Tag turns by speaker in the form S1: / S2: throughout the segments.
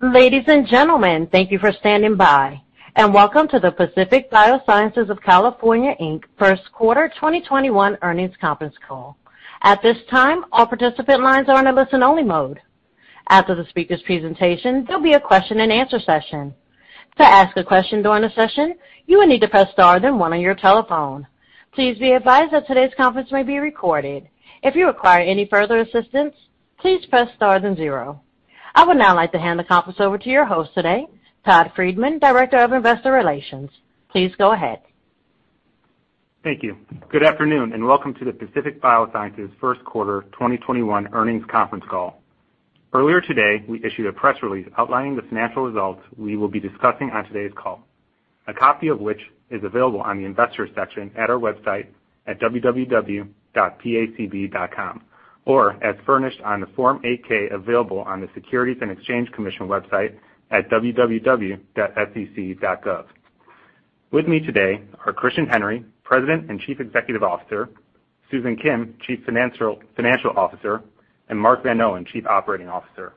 S1: Ladies and gentlemen, thank you for standing by, and welcome to the Pacific Biosciences of California, Inc. first quarter 2021 earnings conference call. At this time, all participant lines are in a listen only mode. After the speakers' presentation, there will be a question-and-answer session. To ask a question during the session, you will need to press star then one on your telephone. Please be advised that today's conference may be recorded. If you require any further assistance, please press star then zero. I would now like to hand the conference over to your host today, Todd Friedman, Director of Investor Relations. Please go ahead.
S2: Thank you. Good afternoon, and welcome to the Pacific Biosciences first quarter 2021 earnings conference call. Earlier today, we issued a press release outlining the financial results we will be discussing on today's call, a copy of which is available on the investors section at our website at www.pacb.com or as furnished on the Form 8-K available on the Securities and Exchange Commission website at www.sec.gov. With me today are Christian Henry, President and Chief Executive Officer, Susan Kim, Chief Financial Officer, and Mark Van Oene, Chief Operating Officer.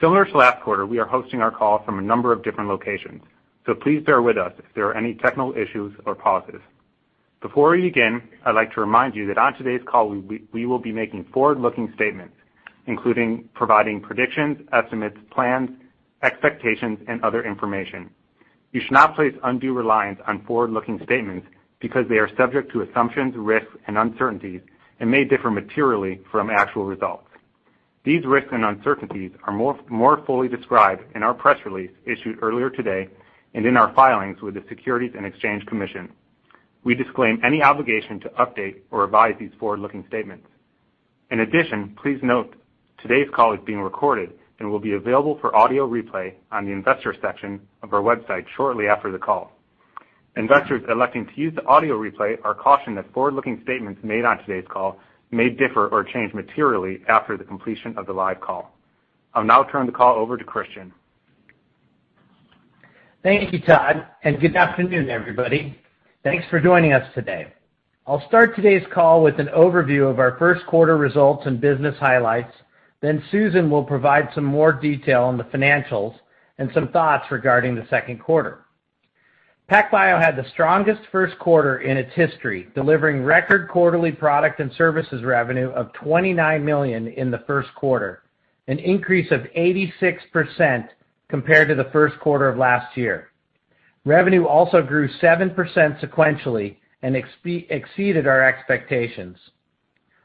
S2: Similar to last quarter, we are hosting our call from a number of different locations, so please bear with us if there are any technical issues or pauses. Before we begin, I'd like to remind you that on today's call, we will be making forward-looking statements, including providing predictions, estimates, plans, expectations, and other information. You should not place undue reliance on forward-looking statements because they are subject to assumptions, risks and uncertainties and may differ materially from actual results. These risks and uncertainties are more fully described in our press release issued earlier today and in our filings with the Securities and Exchange Commission. We disclaim any obligation to update or revise these forward-looking statements. In addition, please note today's call is being recorded and will be available for audio replay on the investors section of our website shortly after the call. Investors electing to use the audio replay are cautioned that forward-looking statements made on today's call may differ or change materially after the completion of the live call. I'll now turn the call over to Christian.
S3: Thank you, Todd. Good afternoon, everybody. Thanks for joining us today. I'll start today's call with an overview of our first quarter results and business highlights. Susan will provide some more detail on the financials and some thoughts regarding the second quarter. PacBio had the strongest first quarter in its history, delivering record quarterly product and services revenue of $29 million in the first quarter, an increase of 86% compared to the first quarter of last year. Revenue also grew 7% sequentially and exceeded our expectations.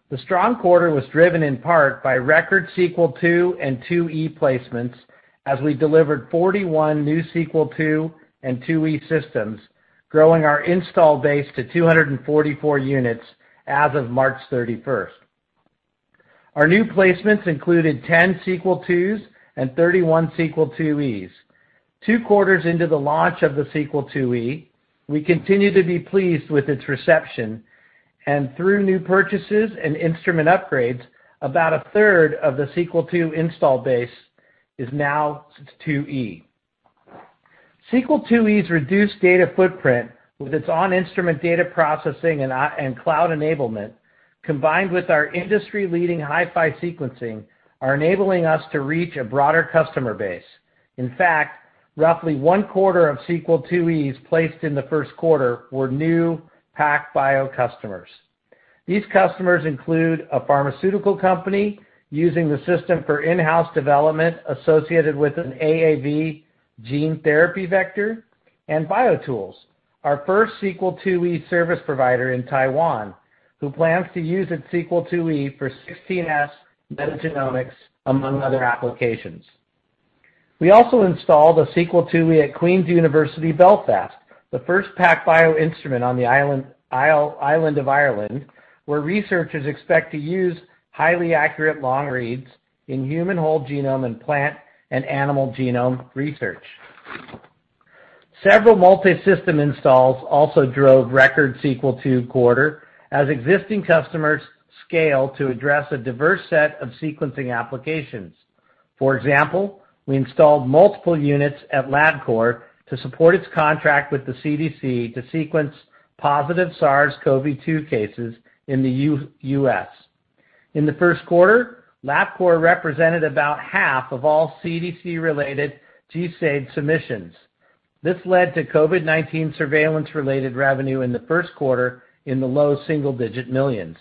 S3: The strong quarter was driven in part by record Sequel II and IIe placements as we delivered 41 new Sequel II and IIe systems, growing our install base to 244 units as of March 31st. Our new placements included 10 Sequel IIs and 31 Sequel IIes. Two quarters into the launch of the Sequel IIe, we continue to be pleased with its reception, and through new purchases and instrument upgrades, about a third of the Sequel II install base is now IIe. Sequel IIe's reduced data footprint with its on-instrument data processing and cloud enablement, combined with our industry leading HiFi sequencing, are enabling us to reach a broader customer base. In fact, roughly 1/4 of Sequel IIes placed in the first quarter were new PacBio customers. These customers include a pharmaceutical company using the system for in-house development associated with an AAV gene therapy vector, and Biotools, our first Sequel IIe service provider in Taiwan, who plans to use its Sequel IIe for 16S metagenomics, among other applications. We also installed a Sequel IIe at Queen's University Belfast, the first PacBio instrument on the island of Ireland, where researchers expect to use highly accurate long reads in human whole genome and plant and animal genome research. Several multi-system installs also drove record Sequel II quarter as existing customers scale to address a diverse set of sequencing applications. For example, we installed multiple units at Labcorp to support its contract with the CDC to sequence positive SARS-CoV-2 cases in the U.S. In the first quarter, Labcorp represented about half of all CDC related GISAID submissions. This led to COVID-19 surveillance related revenue in the first quarter in the low single digit millions.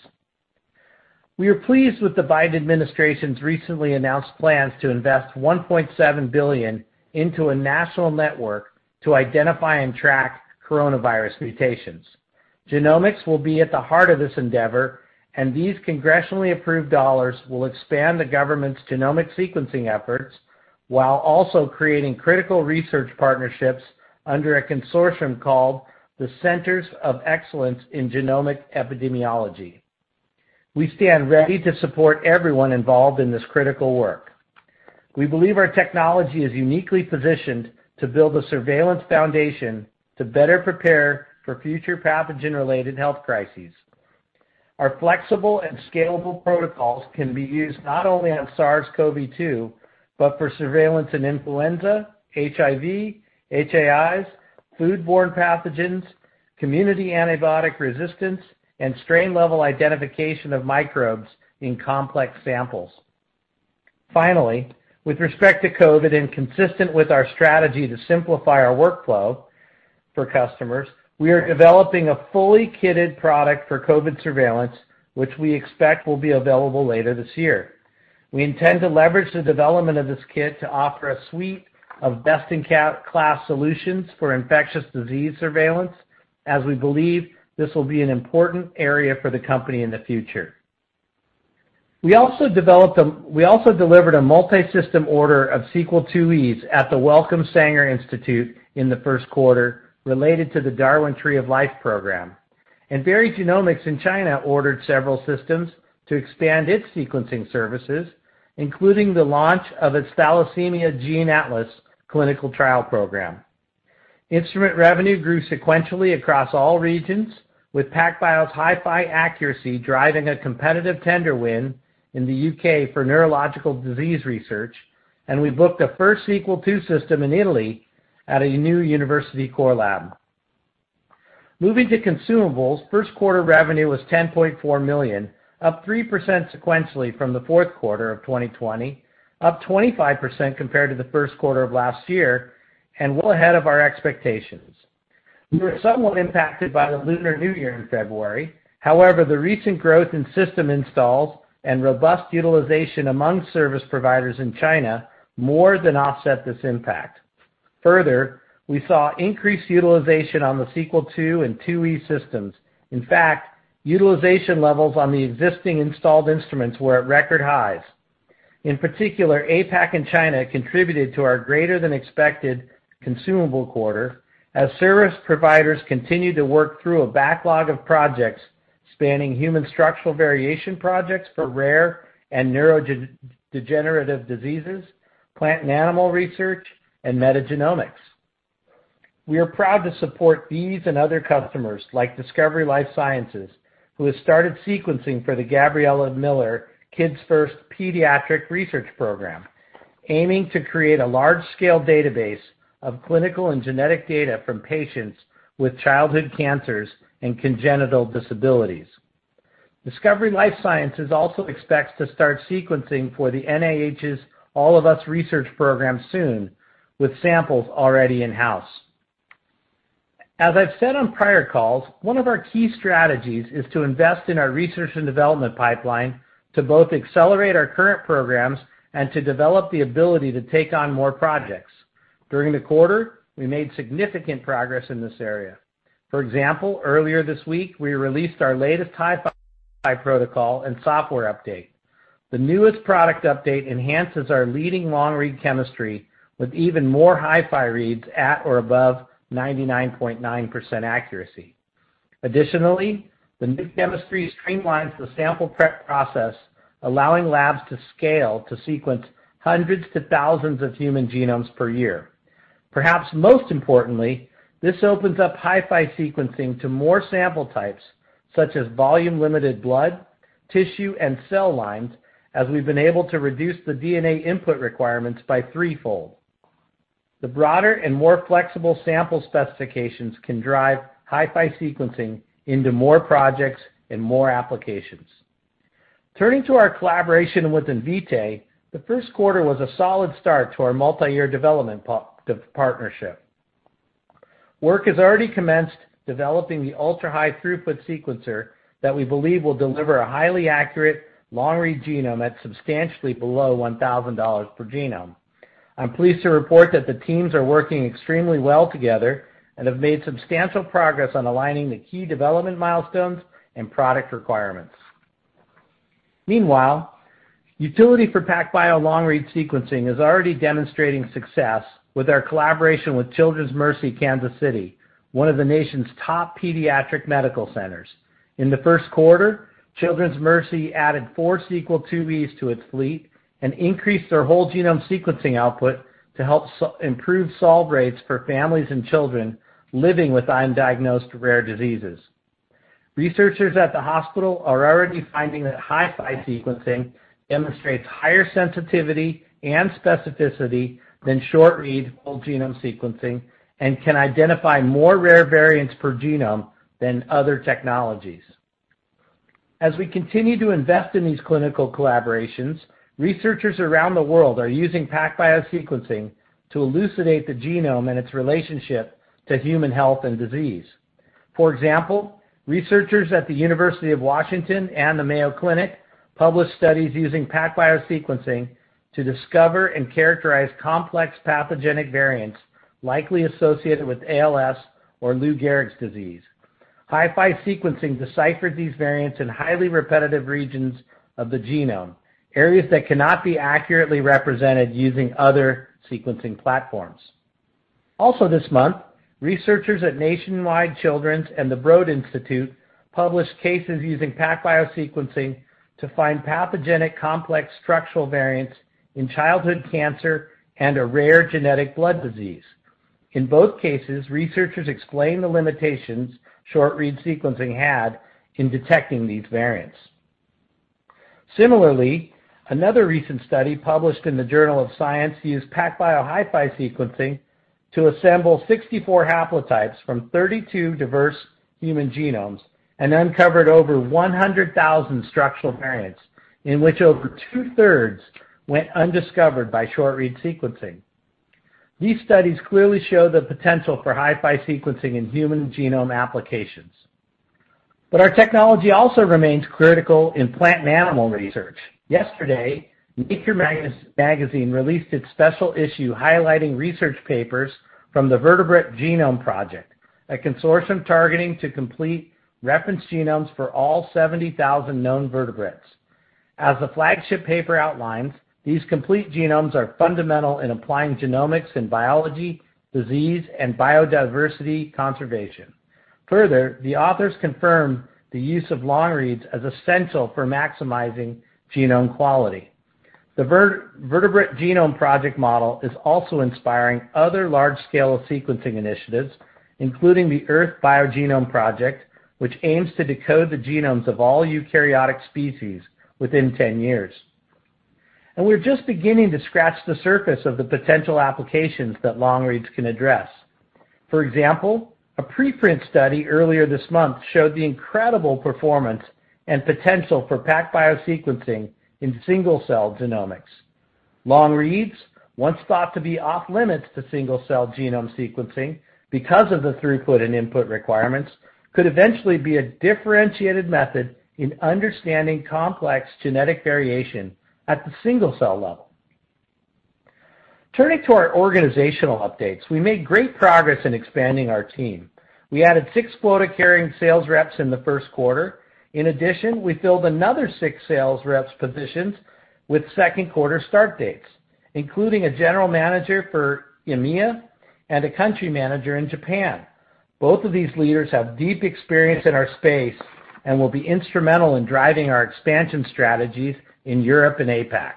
S3: We are pleased with the Biden administration's recently announced plans to invest $1.7 billion into a national network to identify and track coronavirus mutations. Genomics will be at the heart of this endeavor, and these congressionally approved dollars will expand the government's genomic sequencing efforts while also creating critical research partnerships under a consortium called the Centers of Excellence in Genomic Epidemiology. We stand ready to support everyone involved in this critical work. We believe our technology is uniquely positioned to build a surveillance foundation to better prepare for future pathogen related health crises. Our flexible and scalable protocols can be used not only on SARS-CoV-2, but for surveillance in influenza, HIV, HAIs, foodborne pathogens, community antibiotic resistance, and strain-level identification of microbes in complex samples. Finally, with respect to COVID and consistent with our strategy to simplify our workflow for customers, we are developing a fully kitted product for COVID surveillance, which we expect will be available later this year. We intend to leverage the development of this kit to offer a suite of best-in-class solutions for infectious disease surveillance, as we believe this will be an important area for the company in the future. We also delivered a multi-system order of Sequel IIe at the Wellcome Sanger Institute in the first quarter, related to the Darwin Tree of Life. BGI Genomics in China ordered several systems to expand its sequencing services, including the launch of its Thalassemia Gene Atlas. Instrument revenue grew sequentially across all regions, with PacBio's HiFi accuracy driving a competitive tender win in the U.K. for neurological disease research, and we booked a first Sequel II system in Italy at a new university core lab. Moving to consumables, first quarter revenue was $10.4 million, up 3% sequentially from the fourth quarter of 2020, up 25% compared to the first quarter of last year, and well ahead of our expectations. We were somewhat impacted by the Lunar New Year in February. However, the recent growth in system installs and robust utilization among service providers in China more than offset this impact. Further, we saw increased utilization on the Sequel II and IIe systems. In fact, utilization levels on the existing installed instruments were at record highs. In particular, APAC and China contributed to our greater-than-expected consumable quarter, as service providers continued to work through a backlog of projects spanning human structural variation projects for rare and neurodegenerative diseases, plant and animal research, and metagenomics. We are proud to support these and other customers like Discovery Life Sciences, who has started sequencing for the Gabriella Miller Kids First Pediatric Research Program, aiming to create a large-scale database of clinical and genetic data from patients with childhood cancers and congenital disabilities. Discovery Life Sciences also expects to start sequencing for the NIH's All of Us Research Program soon, with samples already in-house. As I've said on prior calls, one of our key strategies is to invest in our research and development pipeline to both accelerate our current programs and to develop the ability to take on more projects. During the quarter, we made significant progress in this area. For example, earlier this week, we released our latest HiFi protocol and software update. The newest product update enhances our leading long-read chemistry with even more HiFi reads at or above 99.9% accuracy. Additionally, the new chemistry streamlines the sample prep process, allowing labs to scale to sequence hundreds to thousands of human genomes per year. Perhaps most importantly, this opens up HiFi sequencing to more sample types, such as volume-limited blood, tissue, and cell lines, as we've been able to reduce the DNA input requirements by threefold. The broader and more flexible sample specifications can drive HiFi sequencing into more projects and more applications. Turning to our collaboration with Invitae, the first quarter was a solid start to our multi-year development partnership. Work has already commenced developing the ultra-high throughput sequencer that we believe will deliver a highly accurate long-read genome at substantially below $1,000 per genome. I'm pleased to report that the teams are working extremely well together and have made substantial progress on aligning the key development milestones and product requirements. Utility for PacBio long-read sequencing is already demonstrating success with our collaboration with Children's Mercy Kansas City, one of the nation's top pediatric medical centers. In the first quarter, Children's Mercy added four Sequel IIes to its fleet and increased their whole genome sequencing output to help improve solve rates for families and children living with undiagnosed rare diseases. Researchers at the hospital are already finding that HiFi sequencing demonstrates higher sensitivity and specificity than short-read whole genome sequencing and can identify more rare variants per genome than other technologies. As we continue to invest in these clinical collaborations, researchers around the world are using PacBio sequencing to elucidate the genome and its relationship to human health and disease. For example, researchers at the University of Washington and the Mayo Clinic published studies using PacBio sequencing to discover and characterize complex pathogenic variants likely associated with ALS or Lou Gehrig's disease. HiFi sequencing deciphered these variants in highly repetitive regions of the genome, areas that cannot be accurately represented using other sequencing platforms. Also this month, researchers at Nationwide Children's and the Broad Institute published cases using PacBio sequencing to find pathogenic complex structural variants in childhood cancer and a rare genetic blood disease. In both cases, researchers explained the limitations short-read sequencing had in detecting these variants. Similarly, another recent study published in the Journal of Science used PacBio HiFi sequencing to assemble 64 haplotypes from 32 diverse human genomes and uncovered over 100,000 structural variants, in which over 2/3 went undiscovered by short-read sequencing. These studies clearly show the potential for HiFi sequencing in human genome applications. Our technology also remains critical in plant and animal research. Yesterday, Nature released its special issue highlighting research papers from the Vertebrate Genomes Project, a consortium targeting to complete reference genomes for all 70,000 known vertebrates. As the flagship paper outlines, these complete genomes are fundamental in applying genomics in biology, disease, and biodiversity conservation. Further, the authors confirm the use of long reads as essential for maximizing genome quality. The Vertebrate Genomes Project model is also inspiring other large-scale sequencing initiatives, including the Earth BioGenome Project, which aims to decode the genomes of all eukaryotic species within 10 years. We're just beginning to scratch the surface of the potential applications that long reads can address. For example, a pre-print study earlier this month showed the incredible performance and potential for PacBio sequencing in single-cell genomics. Long reads, once thought to be off-limits to single-cell genome sequencing because of the throughput and input requirements, could eventually be a differentiated method in understanding complex genetic variation at the single-cell level. Turning to our organizational updates, we made great progress in expanding our team. We added six quota-carrying sales reps in the first quarter. In addition, we filled another six sales reps positions with second quarter start dates, including a general manager for EMEA and a country manager in Japan. Both of these leaders have deep experience in our space and will be instrumental in driving our expansion strategies in Europe and APAC.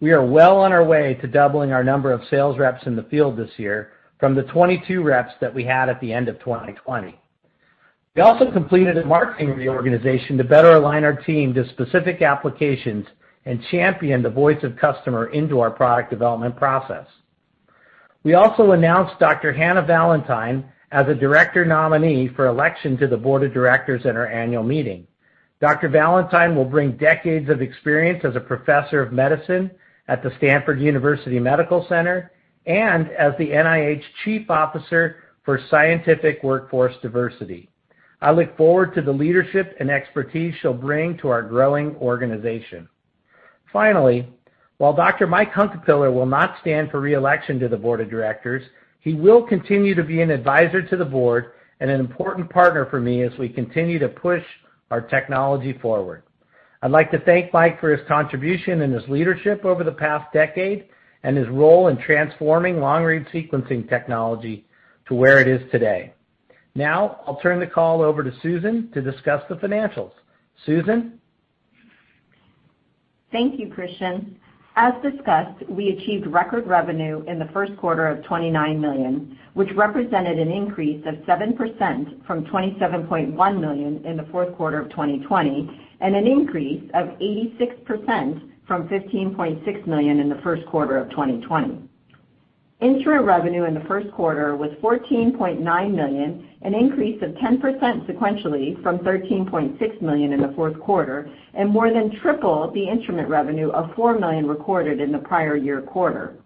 S3: We are well on our way to doubling our number of sales reps in the field this year from the 22 reps that we had at the end of 2020. We also completed a marketing reorganization to better align our team to specific applications and champion the voice of customer into our product development process. We also announced Dr. Hannah Valantine as a Director nominee for election to the Board of Directors at our annual meeting. Dr. Valantine will bring decades of experience as a professor of medicine at the Stanford University Medical Center and as the NIH Chief Officer for Scientific Workforce Diversity. I look forward to the leadership and expertise she'll bring to our growing organization. Finally, while Dr. Michael Hunkapiller will not stand for re-election to the board of directors, he will continue to be an advisor to the board and an important partner for me as we continue to push our technology forward. I'd like to thank Michael Hunkapiller for his contribution and his leadership over the past decade and his role in transforming long-read sequencing technology to where it is today. Now, I'll turn the call over to Susan to discuss the financials. Susan?
S4: Thank you, Christian. As discussed, we achieved record revenue in the first quarter of $29 million, which represented an increase of 7% from $27.1 million in the fourth quarter of 2020, and an increase of 86% from $15.6 million in the first quarter of 2020. Instrument revenue in the first quarter was $14.9 million, an increase of 10% sequentially from $13.6 million in the fourth quarter, and more than triple the instrument revenue of $4 million recorded in the prior year quarter.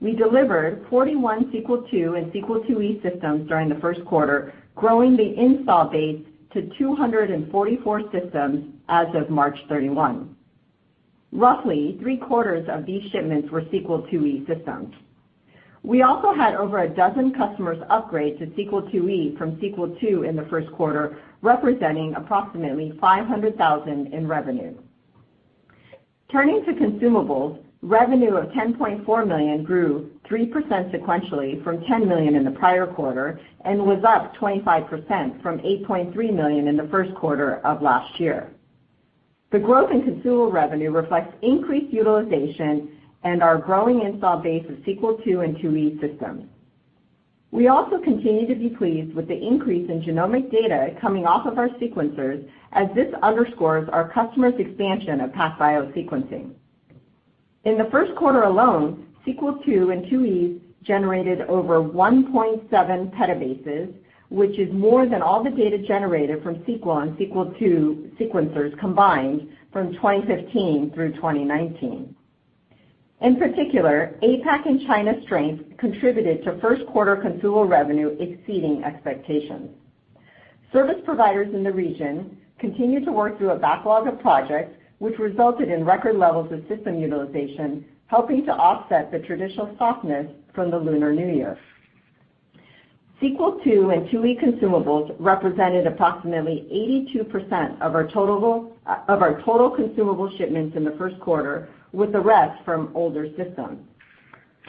S4: We delivered 41 Sequel II and Sequel IIe systems during the first quarter, growing the install base to 244 systems as of March 31. Roughly three-quarters of these shipments were Sequel IIe systems. We also had over a dozen customers upgrade to Sequel IIe from Sequel II in the first quarter, representing approximately $500,000 in revenue. Turning to consumables, revenue of $10.4 million grew 3% sequentially from $10 million in the prior quarter and was up 25% from $8.3 million in the first quarter of last year. The growth in consumable revenue reflects increased utilization and our growing install base of Sequel II and IIe systems. We also continue to be pleased with the increase in genomic data coming off of our sequencers as this underscores our customers' expansion of PacBio sequencing. In the first quarter alone, Sequel II and IIe generated over 1.7 petabases, which is more than all the data generated from Sequel and Sequel II sequencers combined from 2015 through 2019. In particular, APAC and China strength contributed to first quarter consumable revenue exceeding expectations. Service providers in the region continued to work through a backlog of projects, which resulted in record levels of system utilization, helping to offset the traditional softness from the Lunar New Year. Sequel II and IIe consumables represented approximately 82% of our total consumable shipments in the first quarter, with the rest from older systems.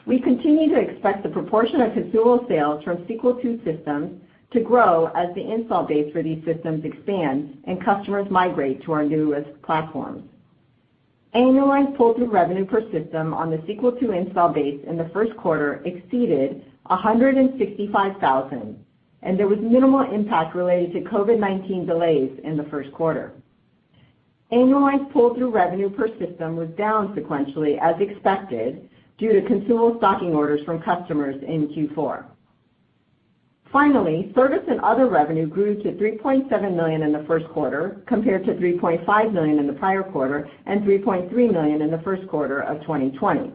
S4: We continue to expect the proportion of consumable sales from Sequel II systems to grow as the install base for these systems expands and customers migrate to our newest platforms. Annualized pull-through revenue per system on the Sequel II install base in the first quarter exceeded $165,000, and there was minimal impact related to COVID-19 delays in the first quarter. Annualized pull-through revenue per system was down sequentially, as expected, due to consumable stocking orders from customers in Q4. Finally, service and other revenue grew to $3.7 million in the first quarter, compared to $3.5 million in the prior quarter, and $3.3 million in the first quarter of 2020.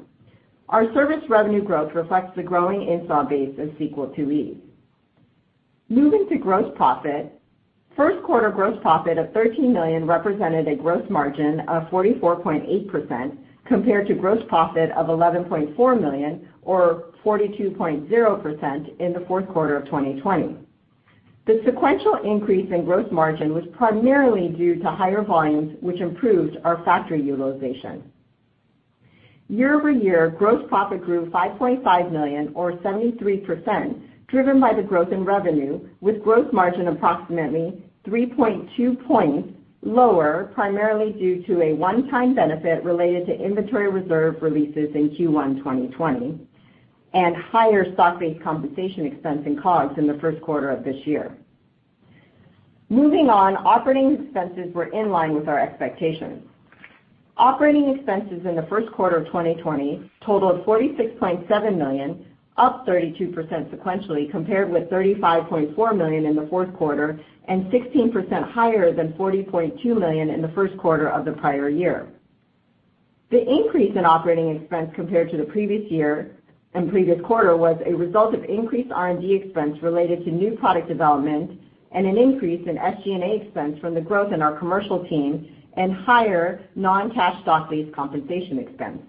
S4: Our service revenue growth reflects the growing install base of Sequel IIe. Moving to gross profit. First quarter gross profit of $13 million represented a gross margin of 44.8%, compared to gross profit of $11.4 million, or 42.0%, in the fourth quarter of 2020. The sequential increase in gross margin was primarily due to higher volumes, which improved our factory utilization. Year-over-year, gross profit grew $5.5 million or 73%, driven by the growth in revenue, with gross margin approximately 3.2 points lower, primarily due to a one-time benefit related to inventory reserve releases in Q1 2020, and higher stock-based compensation expense and COGS in the first quarter of this year. Moving on, operating expenses were in line with our expectations. Operating expenses in the first quarter of 2020 totaled $46.7 million, up 32% sequentially, compared with $35.4 million in the fourth quarter, and 16% higher than $40.2 million in the first quarter of the prior year. The increase in operating expense compared to the previous year and previous quarter was a result of increased R&D expense related to new product development and an increase in SG&A expense from the growth in our commercial team and higher non-cash stock-based compensation expense.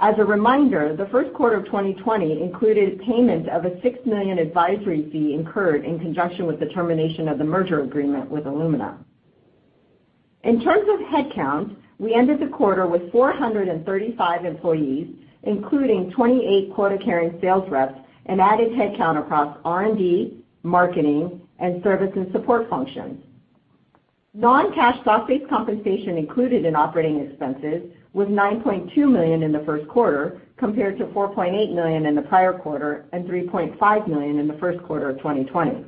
S4: As a reminder, the first quarter of 2020 included payment of a $6 million advisory fee incurred in conjunction with the termination of the merger agreement with Illumina. In terms of headcount, we ended the quarter with 435 employees, including 28 quota-carrying sales reps and added headcount across R&D, marketing, and service and support functions. Non-cash stock-based compensation included in operating expenses was $9.2 million in the first quarter, compared to $4.8 million in the prior quarter and $3.5 million in the first quarter of 2020.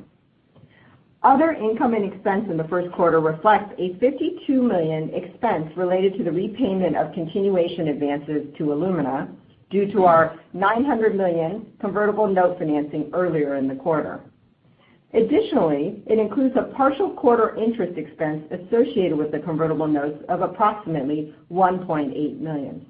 S4: Other income and expense in the first quarter reflects a $52 million expense related to the repayment of continuation advances to Illumina due to our $900 million convertible note financing earlier in the quarter. Additionally, it includes a partial quarter interest expense associated with the convertible notes of approximately $1.8 million.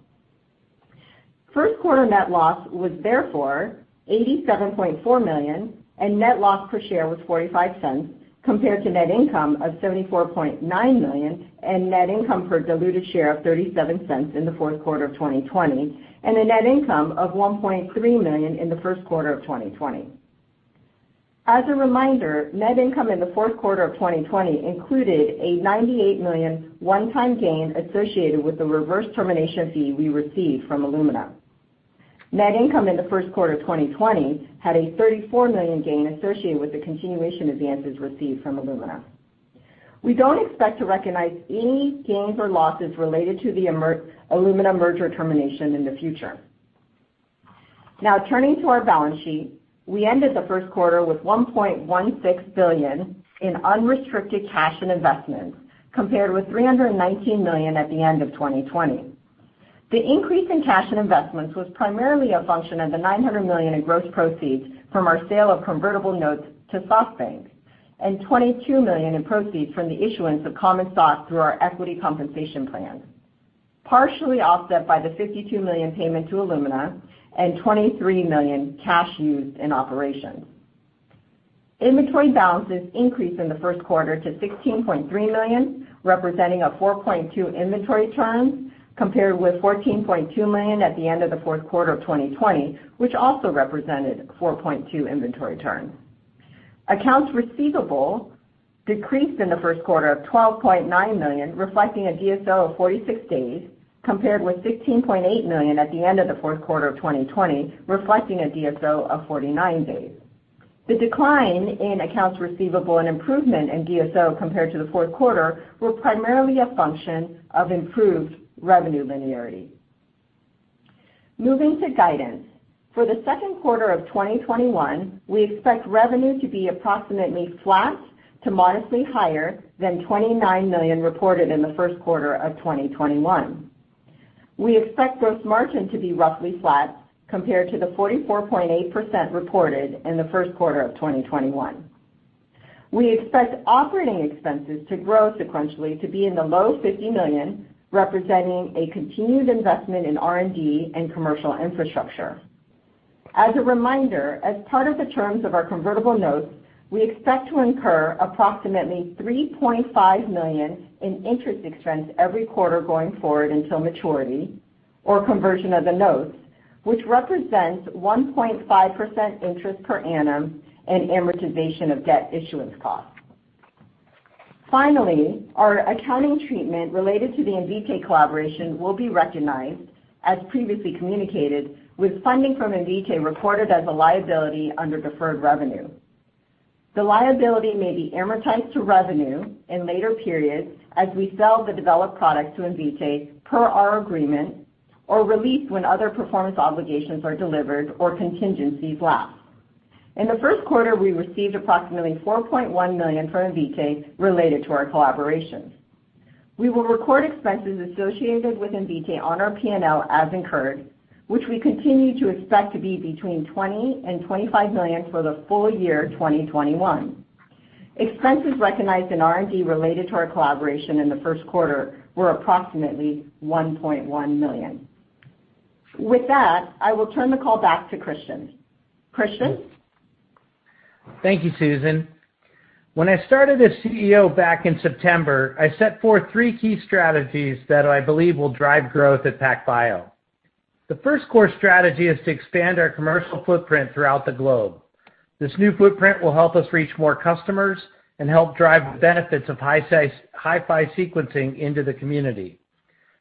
S4: First quarter net loss was therefore $87.4 million, and net loss per share was $0.45, compared to net income of $74.9 million and net income per diluted share of $0.37 in the fourth quarter of 2020, and a net income of $1.3 million in the first quarter of 2020. As a reminder, net income in the fourth quarter of 2020 included a $98 million one-time gain associated with the reverse termination fee we received from Illumina. Net income in the first quarter of 2020 had a $34 million gain associated with the continuation advances received from Illumina. We don't expect to recognize any gains or losses related to the Illumina merger termination in the future. Now, turning to our balance sheet. We ended the first quarter with $1.16 billion in unrestricted cash and investments, compared with $319 million at the end of 2020. The increase in cash and investments was primarily a function of the $900 million in gross proceeds from our sale of convertible notes to SoftBank, and $22 million in proceeds from the issuance of common stock through our equity compensation plan, partially offset by the $52 million payment to Illumina and $23 million cash used in operations. Inventory balances increased in the first quarter to $16.3 million, representing a 4.2x inventory turn, compared with $14.2 million at the end of the fourth quarter of 2020, which also represented 4.2x inventory turn. Accounts receivable decreased in the first quarter of $12.9 million, reflecting a DSO of 46 days, compared with $16.8 million at the end of the fourth quarter of 2020, reflecting a DSO of 49 days. The decline in accounts receivable and improvement in DSO compared to the fourth quarter were primarily a function of improved revenue linearity. Moving to guidance. For the second quarter of 2021, we expect revenue to be approximately flat to modestly higher than $29 million reported in the first quarter of 2021. We expect gross margin to be roughly flat compared to the 44.8% reported in the first quarter of 2021. We expect operating expenses to grow sequentially to be in the low $50 million, representing a continued investment in R&D and commercial infrastructure. As a reminder, as part of the terms of our convertible notes, we expect to incur approximately $3.5 million in interest expense every quarter going forward until maturity or conversion of the notes, which represents 1.5% interest per annum and amortization of debt issuance costs. Finally, our accounting treatment related to the Invitae collaboration will be recognized as previously communicated, with funding from Invitae reported as a liability under deferred revenue. The liability may be amortized to revenue in later periods as we sell the developed product to Invitae per our agreement, or released when other performance obligations are delivered or contingencies lapse. In the first quarter, we received approximately $4.1 million from Invitae related to our collaboration. We will record expenses associated with Invitae on our P&L as incurred, which we continue to expect to be between $20 million and $25 million for the full year 2021. Expenses recognized in R&D related to our collaboration in the first quarter were approximately $1.1 million. With that, I will turn the call back to Christian. Christian?
S3: Thank you, Susan. When I started as CEO back in September, I set forth three key strategies that I believe will drive growth at PacBio. The first core strategy is to expand our commercial footprint throughout the globe. This new footprint will help us reach more customers and help drive the benefits of HiFi sequencing into the community.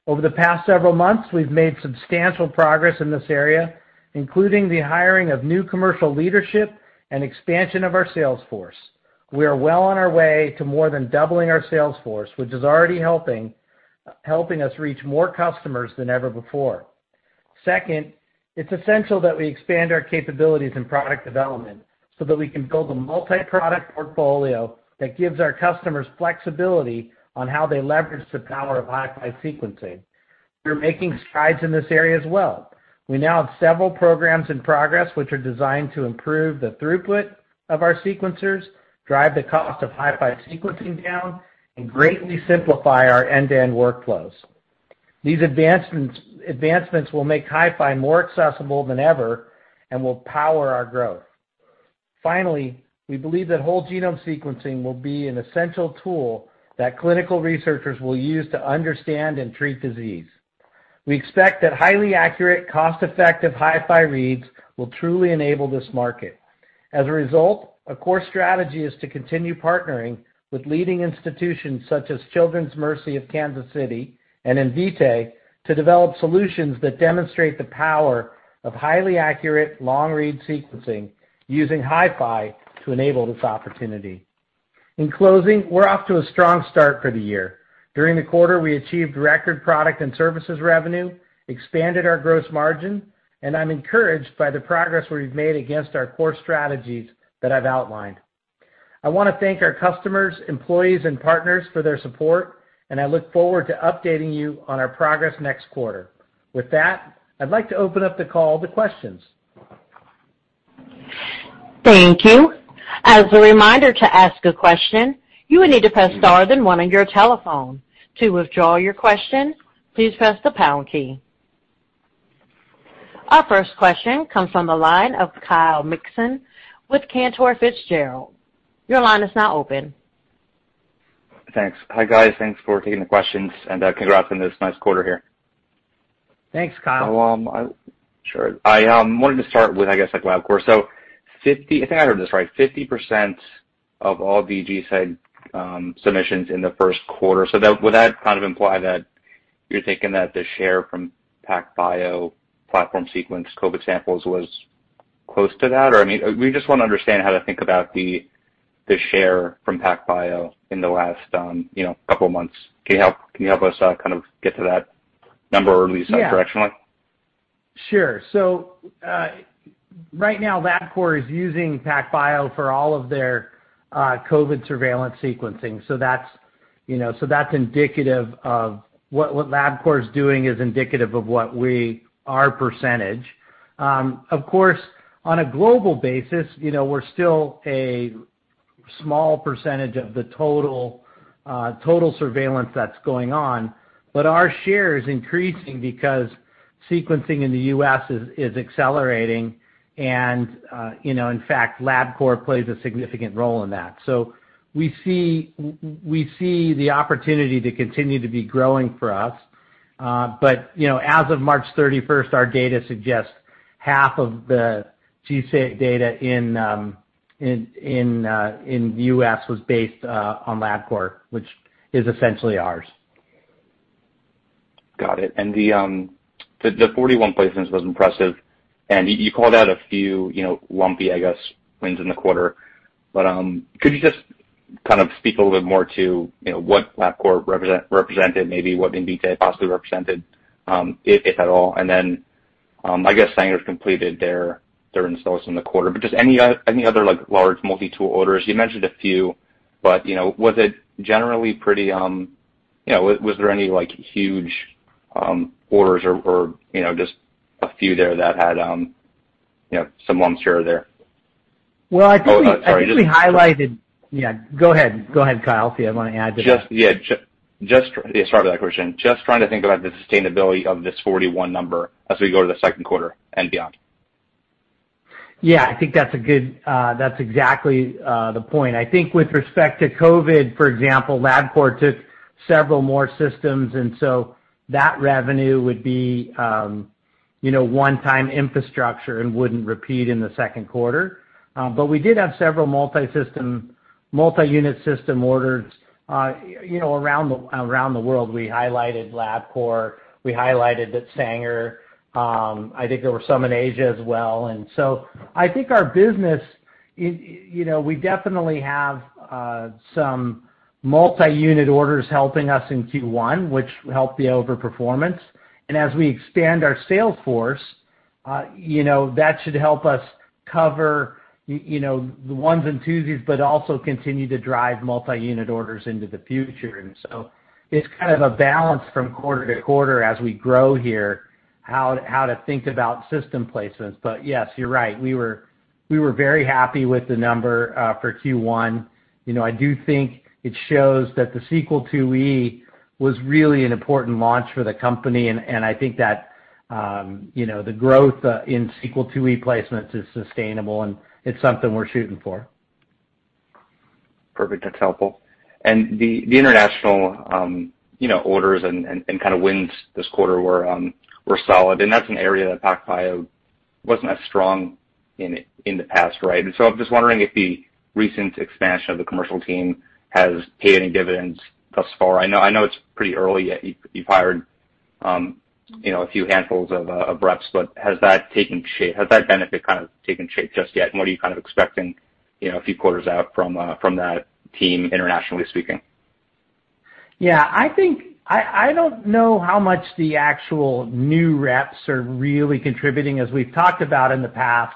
S3: Over the past several months, we've made substantial progress in this area, including the hiring of new commercial leadership and expansion of our sales force. We are well on our way to more than doubling our sales force, which is already helping us reach more customers than ever before. Second, it's essential that we expand our capabilities in product development so that we can build a multi-product portfolio that gives our customers flexibility on how they leverage the power of HiFi sequencing. We're making strides in this area as well. We now have several programs in progress, which are designed to improve the throughput of our sequencers, drive the cost of HiFi sequencing down, and greatly simplify our end-to-end workflows. These advancements will make HiFi more accessible than ever and will power our growth. Finally, we believe that whole genome sequencing will be an essential tool that clinical researchers will use to understand and treat disease. We expect that highly accurate, cost-effective HiFi reads will truly enable this market. As a result, a core strategy is to continue partnering with leading institutions such as Children's Mercy Kansas City and Invitae to develop solutions that demonstrate the power of highly accurate long-read sequencing using HiFi to enable this opportunity. In closing, we're off to a strong start for the year. During the quarter, we achieved record product and services revenue, expanded our gross margin, and I'm encouraged by the progress we've made against our core strategies that I've outlined. I want to thank our customers, employees, and partners for their support, and I look forward to updating you on our progress next quarter. With that, I'd like to open up the call to questions.
S1: Thank you. As a reminder, to ask a question, you will need to press star then one on your telephone. To withdraw your question, please press the pound key. Our first question comes from the line of Kyle Mikson with Cantor Fitzgerald. Your line is now open.
S5: Thanks. Hi, guys. Thanks for taking the questions, and congrats on this nice quarter here.
S3: Thanks, Kyle.
S5: Sure. I wanted to start with, I guess, Labcorp. If I heard this right, 50% of all GISAID submissions in the first quarter. Would that kind of imply that you're thinking that the share from PacBio platform sequenced COVID samples was close to that? We just want to understand how to think about the share from PacBio in the last couple of months. Can you help us kind of get to that number or at least directionally?
S3: Sure. Right now, Labcorp is using PacBio for all of their COVID surveillance sequencing. What Labcorp's doing is indicative of our percentage. Of course, on a global basis, we're still a small percentage of the total surveillance that's going on, but our share is increasing because sequencing in the U.S. is accelerating, and in fact, Labcorp plays a significant role in that. We see the opportunity to continue to be growing for us. As of March 31st, our data suggests half of the GISAID data in the U.S. was based on Labcorp, which is essentially ours.
S5: Got it. The 41 placements was impressive, you called out a few lumpy, I guess, wins in the quarter. Could you just speak a little bit more to what Labcorp represented, maybe what Invitae possibly represented, if at all? I guess Sanger's completed their installs in the quarter, but just any other large multi-tool orders? You mentioned a few, but was there any huge orders or just a few there that had some lump share there?
S3: Well, I think.
S5: Oh, sorry.
S3: I think we highlighted. Yeah, go ahead, Kyle, if you want to add to that.
S5: Yeah. Sorry about that, Christian. Just trying to think about the sustainability of this 41 number as we go to the second quarter and beyond.
S3: Yeah, I think that's exactly the point. I think with respect to COVID, for example, Labcorp took several more systems, and so that revenue would be one-time infrastructure and wouldn't repeat in the second quarter. We did have several multi-unit system orders around the world. We highlighted Labcorp, we highlighted that Sanger, I think there were some in Asia as well. I think our business, we definitely have some multi-unit orders helping us in Q1, which helped the over-performance. As we expand our sales force, that should help us cover the ones and twos, but also continue to drive multi-unit orders into the future. It's kind of a balance from quarter to quarter as we grow here, how to think about system placements. Yes, you're right. We were very happy with the number for Q1. I do think it shows that the Sequel IIe was really an important launch for the company, and I think that the growth in Sequel IIe placements is sustainable and it's something we're shooting for.
S5: Perfect. That's helpful. The international orders and kind of wins this quarter were solid, and that's an area that PacBio wasn't as strong in the past, right? I'm just wondering if the recent expansion of the commercial team has paid any dividends thus far. I know it's pretty early yet. You've hired a few handfuls of reps, but has that benefit kind of taken shape just yet? What are you kind of expecting a few quarters out from that team, internationally speaking?
S3: Yeah. I don't know how much the actual new reps are really contributing. As we've talked about in the past,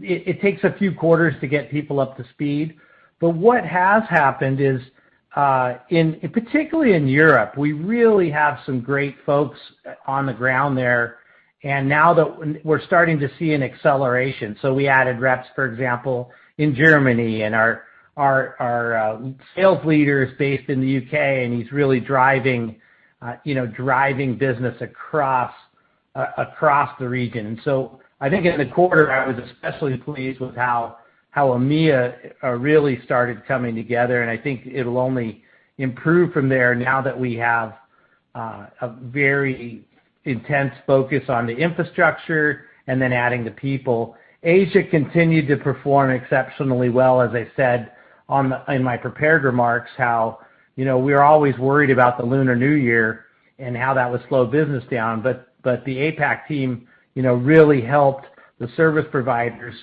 S3: it takes a few quarters to get people up to speed. What has happened is, particularly in Europe, we really have some great folks on the ground there, and now we're starting to see an acceleration. We added reps, for example, in Germany, and our sales leader is based in the U.K., and he's really driving business across the region. I think in the quarter, I was especially pleased with how EMEA really started coming together, and I think it'll only improve from there now that we have a very intense focus on the infrastructure and then adding the people. Asia continued to perform exceptionally well, as I said in my prepared remarks, how we are always worried about the Lunar New Year and how that would slow business down. The APAC team really helped the service providers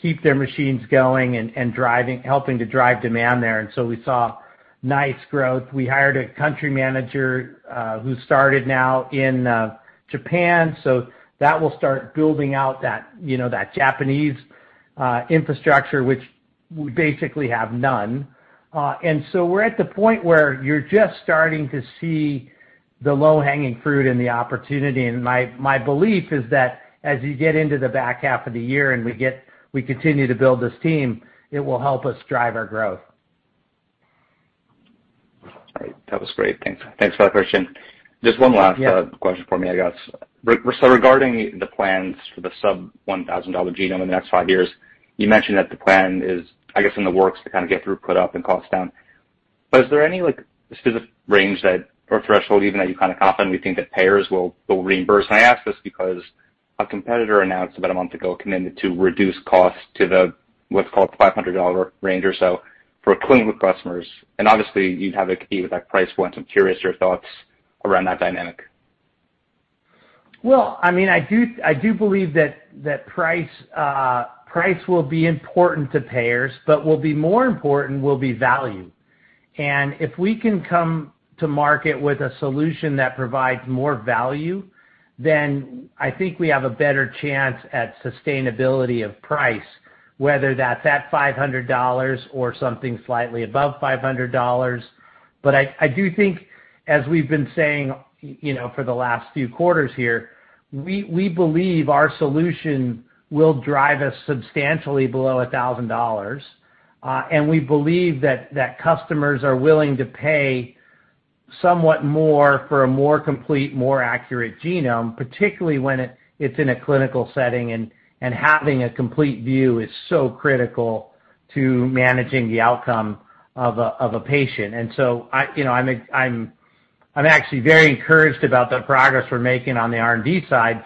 S3: keep their machines going and helping to drive demand there. We saw nice growth. We hired a country manager who started now in Japan. That will start building out that Japanese infrastructure, which we basically have none. We're at the point where you're just starting to see the low-hanging fruit and the opportunity. My belief is that as you get into the back half of the year and we continue to build this team, it will help us drive our growth.
S5: All right. That was great. Thanks for that question. Just one last question for me, I guess.
S3: Yeah.
S5: Regarding the plans for the sub-$1,000 genome in the next five years, you mentioned that the plan is, I guess, in the works to kind of get throughput up and cost down. Is there any specific range or threshold even that you kind of confidently think that payers will reimburse? I ask this because a competitor announced about one month ago, committed to reduce cost to the what's called $500 range or so for clinical customers. Obviously you'd have a compete with that price point. I'm curious your thoughts around that dynamic.
S3: Well, I do believe that price will be important to payers, but will be more important will be value. If we can come to market with a solution that provides more value, then I think we have a better chance at sustainability of price, whether that's at $500 or something slightly above $500. I do think, as we've been saying for the last few quarters here, we believe our solution will drive us substantially below $1,000. We believe that customers are willing to pay somewhat more for a more complete, more accurate genome, particularly when it's in a clinical setting and having a complete view is so critical to managing the outcome of a patient. I'm actually very encouraged about the progress we're making on the R&D side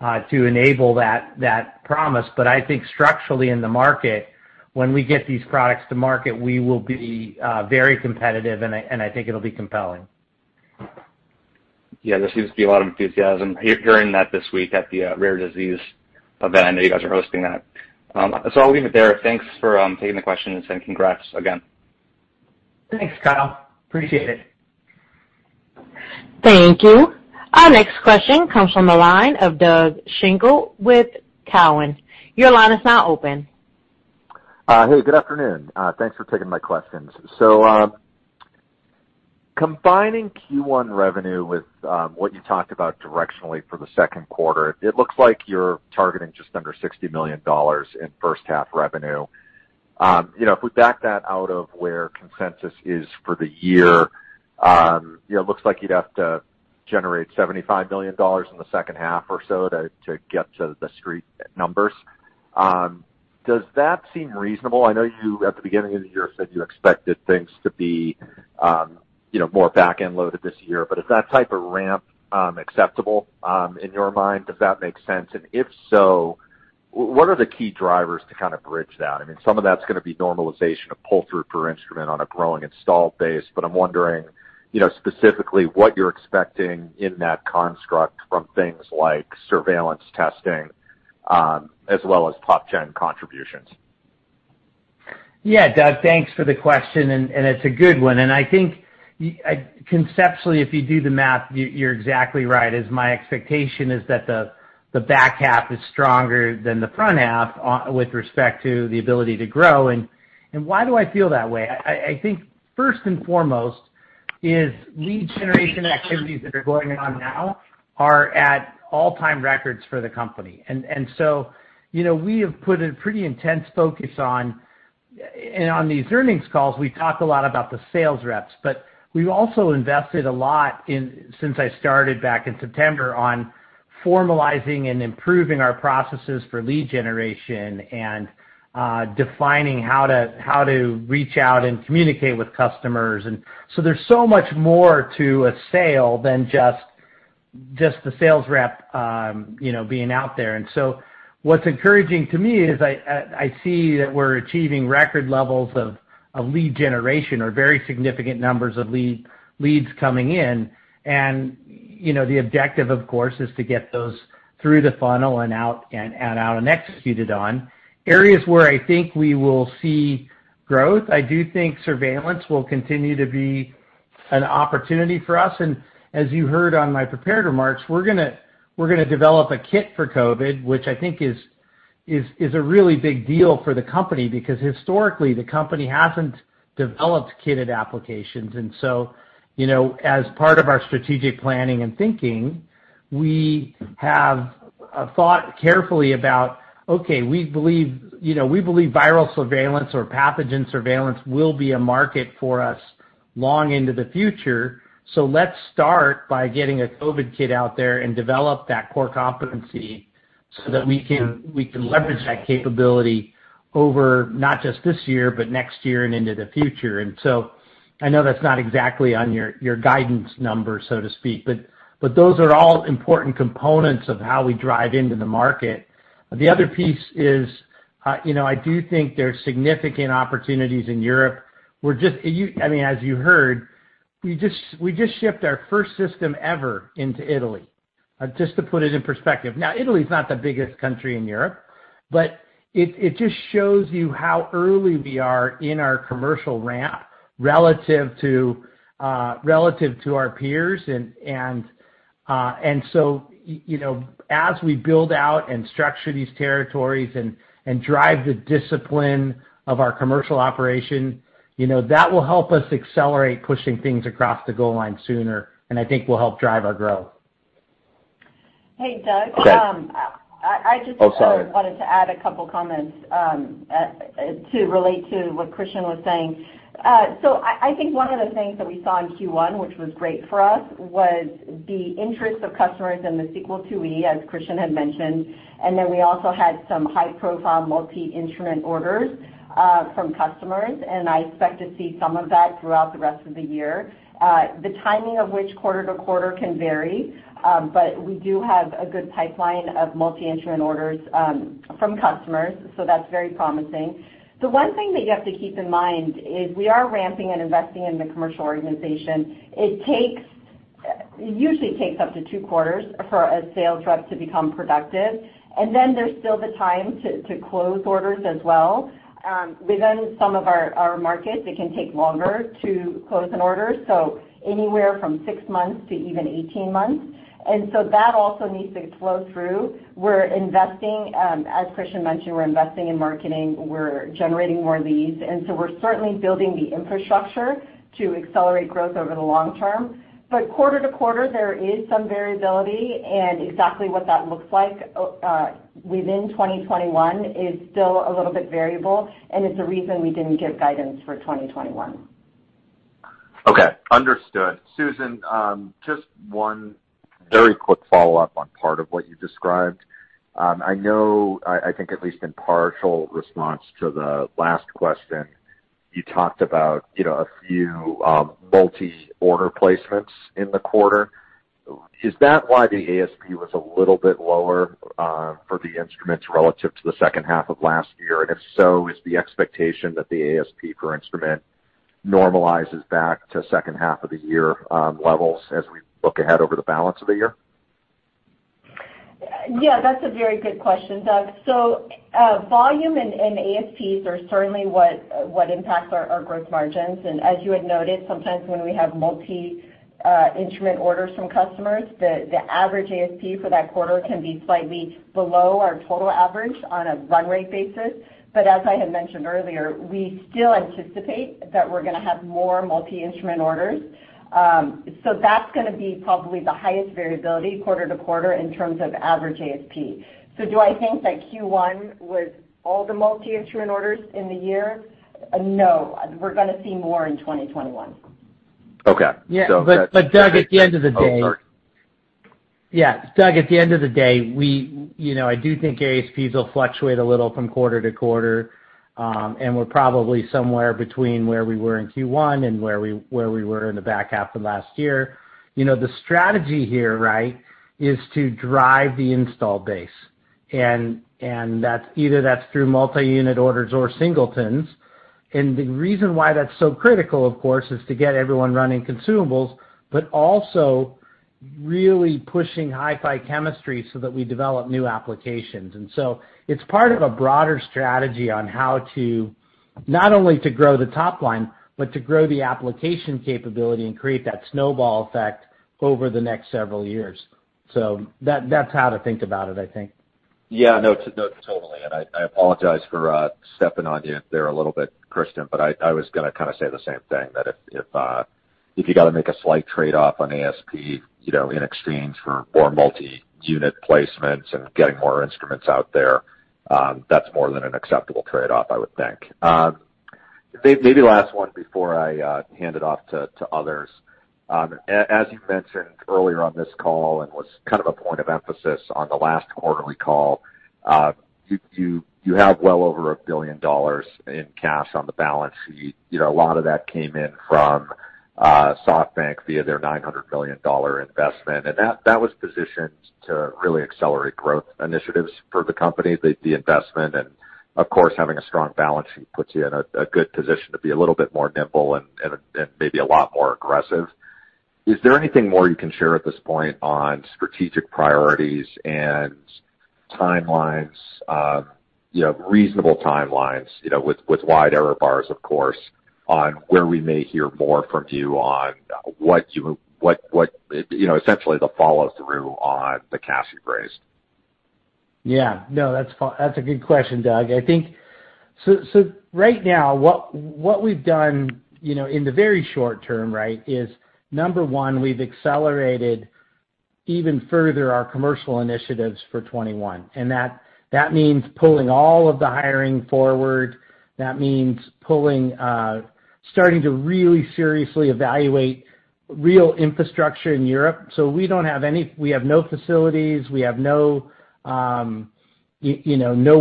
S3: to enable that promise. I think structurally in the market, when we get these products to market, we will be very competitive, and I think it'll be compelling.
S5: Yeah, there seems to be a lot of enthusiasm hearing that this week at the rare disease event. I know you guys are hosting that. I'll leave it there. Thanks for taking the question and saying congrats again.
S3: Thanks, Kyle. Appreciate it.
S1: Thank you. Our next question comes from the line of Doug Schenkel with Cowen. Your line is now open.
S6: Hey, good afternoon. Thanks for taking my questions. Combining Q1 revenue with what you talked about directionally for the second quarter, it looks like you're targeting just under $60 million in first half revenue. If we back that out of where consensus is for the year, it looks like you'd have to generate $75 million in the second half or so to get to the Street numbers. Does that seem reasonable? I know you, at the beginning of the year, said you expected things to be more back-end loaded this year, but is that type of ramp acceptable in your mind? Does that make sense? If so, what are the key drivers to kind of bridge that? I mean, some of that's going to be normalization of pull-through per instrument on a growing installed base, but I'm wondering, specifically what you're expecting in that construct from things like surveillance testing, as well as PopGen contributions.
S3: Yeah, Doug, thanks for the question, and it's a good one. I think conceptually, if you do the math, you're exactly right. As my expectation is that the back half is stronger than the front half with respect to the ability to grow. Why do I feel that way? I think first and foremost is lead generation activities that are going on now are at all-time records for the company. We have put a pretty intense focus on these earnings calls, we talk a lot about the sales reps, but we've also invested a lot in, since I started back in September, on formalizing and improving our processes for lead generation and defining how to reach out and communicate with customers. There's so much more to a sale than just the sales rep being out there. What's encouraging to me is I see that we're achieving record levels of lead generation or very significant numbers of leads coming in. The objective, of course, is to get those through the funnel and out and executed on. Areas where I think we will see growth, I do think surveillance will continue to be an opportunity for us. As you heard on my prepared remarks, we're going to develop a kit for COVID, which I think is a really big deal for the company because historically the company hasn't developed kitted applications. As part of our strategic planning and thinking, we have thought carefully about, okay, we believe viral surveillance or pathogen surveillance will be a market for us long into the future. Let's start by getting a COVID kit out there and develop that core competency so that we can leverage that capability over not just this year, but next year and into the future. I know that's not exactly on your guidance number, so to speak, but those are all important components of how we drive into the market. The other piece is, I do think there's significant opportunities in Europe. As you heard, we just shipped our first system ever into Italy, just to put it in perspective. Now, Italy is not the biggest country in Europe, but it just shows you how early we are in our commercial ramp relative to our peers. As we build out and structure these territories and drive the discipline of our commercial operation, that will help us accelerate pushing things across the goal line sooner, and I think will help drive our growth.
S4: Hey, Doug.
S6: Oh, sorry.
S4: I just wanted to add a couple of comments to relate to what Christian was saying. I think one of the things that we saw in Q1, which was great for us, was the interest of customers in the Sequel IIe, as Christian had mentioned. We also had some high-profile multi-instrument orders from customers, and I expect to see some of that throughout the rest of the year. The timing of which quarter to quarter can vary, but we do have a good pipeline of multi-instrument orders from customers, so that's very promising. The one thing that you have to keep in mind is we are ramping and investing in the commercial organization. It usually takes up to two quarters for a sales rep to become productive. There's still the time to close orders as well. Within some of our markets, it can take longer to close an order, so anywhere from six months to even 18 months. That also needs to flow through. As Christian mentioned, we're investing in marketing. We're generating more leads. We're certainly building the infrastructure to accelerate growth over the long term. Quarter to quarter, there is some variability, and exactly what that looks like within 2021 is still a little bit variable and is the reason we didn't give guidance for 2021.
S6: Okay. Understood. Susan, just one very quick follow-up on part of what you described. I know, I think at least in partial response to the last question, you talked about a few multi-order placements in the quarter. Is that why the ASP was a little bit lower for the instruments relative to the second half of last year? If so, is the expectation that the ASP per instrument normalizes back to second half of the year levels as we look ahead over the balance of the year?
S4: Yeah, that's a very good question, Doug. Volume and ASPs are certainly what impacts our growth margins. As you had noted, sometimes when we have multi-instrument orders from customers, the average ASP for that quarter can be slightly below our total average on a run rate basis. As I had mentioned earlier, we still anticipate that we're going to have more multi-instrument orders. That's going to be probably the highest variability quarter to quarter in terms of average ASP. Do I think that Q1 was all the multi-instrument orders in the year? No, we're going to see more in 2021.
S6: Okay.
S3: Doug, at the end of the day.
S6: Oh, sorry.
S3: Yeah. Doug, at the end of the day, I do think ASPs will fluctuate a little from quarter to quarter. We're probably somewhere between where we were in Q1 and where we were in the back half of last year. The strategy here is to drive the install base. Either that's through multi-unit orders or singletons. The reason why that's so critical, of course, is to get everyone running consumables, but also really pushing HiFi chemistry so that we develop new applications. It's part of a broader strategy on how to not only to grow the top line, but to grow the application capability and create that snowball effect over the next several years. That's how to think about it, I think.
S6: No, totally. I apologize for stepping on you there a little bit, Christian, but I was going to kind of say the same thing, that if you got to make a slight trade-off on ASP in exchange for more multi-unit placements and getting more instruments out there, that's more than an acceptable trade-off, I would think. Maybe last one before I hand it off to others. As you mentioned earlier on this call and was kind of a point of emphasis on the last quarterly call, you have well over $1 billion in cash on the balance sheet. A lot of that came in from SoftBank via their $900 million investment. That was positioned to really accelerate growth initiatives for the company. The investment and, of course, having a strong balance sheet puts you in a good position to be a little bit more nimble and maybe a lot more aggressive. Is there anything more you can share at this point on strategic priorities and timelines, reasonable timelines, with wide error bars, of course, on where we may hear more from you on essentially the follow-through on the cash you've raised?
S3: Yeah. No, that's a good question, Doug. I think, right now, what we've done in the very short term is, number one, we've accelerated even further our commercial initiatives for 2021, and that means pulling all of the hiring forward. That means starting to really seriously evaluate real infrastructure in Europe. We have no facilities, we have no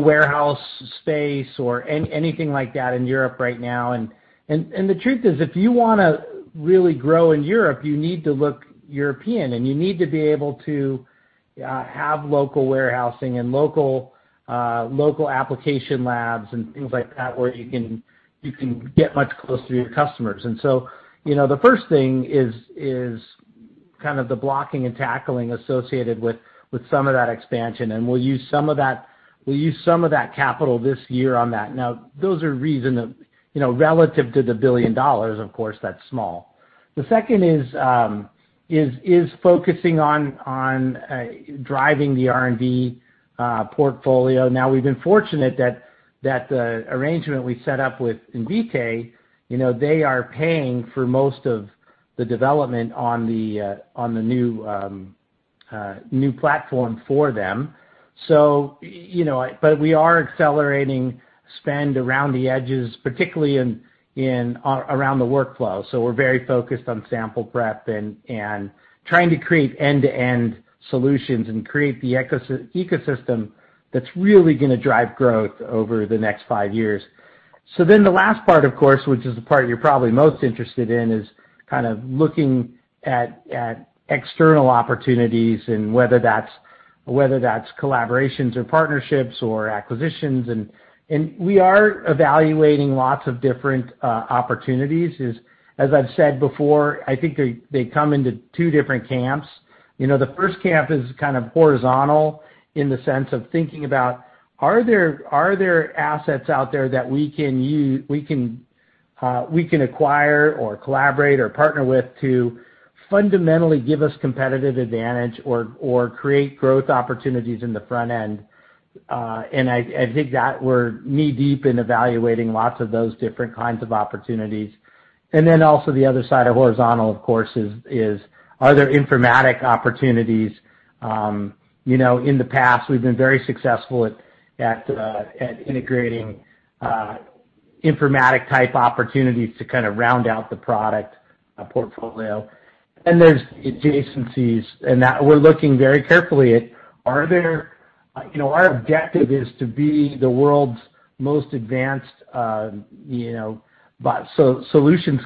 S3: warehouse space or anything like that in Europe right now. The truth is, if you want to really grow in Europe, you need to look European, and you need to be able to have local warehousing and local application labs and things like that, where you can get much closer to your customers. The first thing is kind of the blocking and tackling associated with some of that expansion, and we'll use some of that capital this year on that. Relative to the $1 billion, of course, that's small. The second is focusing on driving the R&D portfolio. We've been fortunate that the arrangement we set up with Invitae, they are paying for most of the development on the new platform for them. We are accelerating spend around the edges, particularly around the workflow. We're very focused on sample prep and trying to create end-to-end solutions and create the ecosystem that's really going to drive growth over the next five years. The last part, of course, which is the part you're probably most interested in, is kind of looking at external opportunities and whether that's collaborations or partnerships or acquisitions. We are evaluating lots of different opportunities. As I've said before, I think they come into two different camps. The first camp is kind of horizontal in the sense of thinking about are there assets out there that we can acquire or collaborate or partner with to fundamentally give us competitive advantage or create growth opportunities in the front end? I think that we're knee-deep in evaluating lots of those different kinds of opportunities. Also the other side of horizontal, of course, is, are there informatic opportunities? In the past, we've been very successful at integrating informatic-type opportunities to kind of round out the product portfolio. There's adjacencies, and that we're looking very carefully at. Our objective is to be the world's most advanced solutions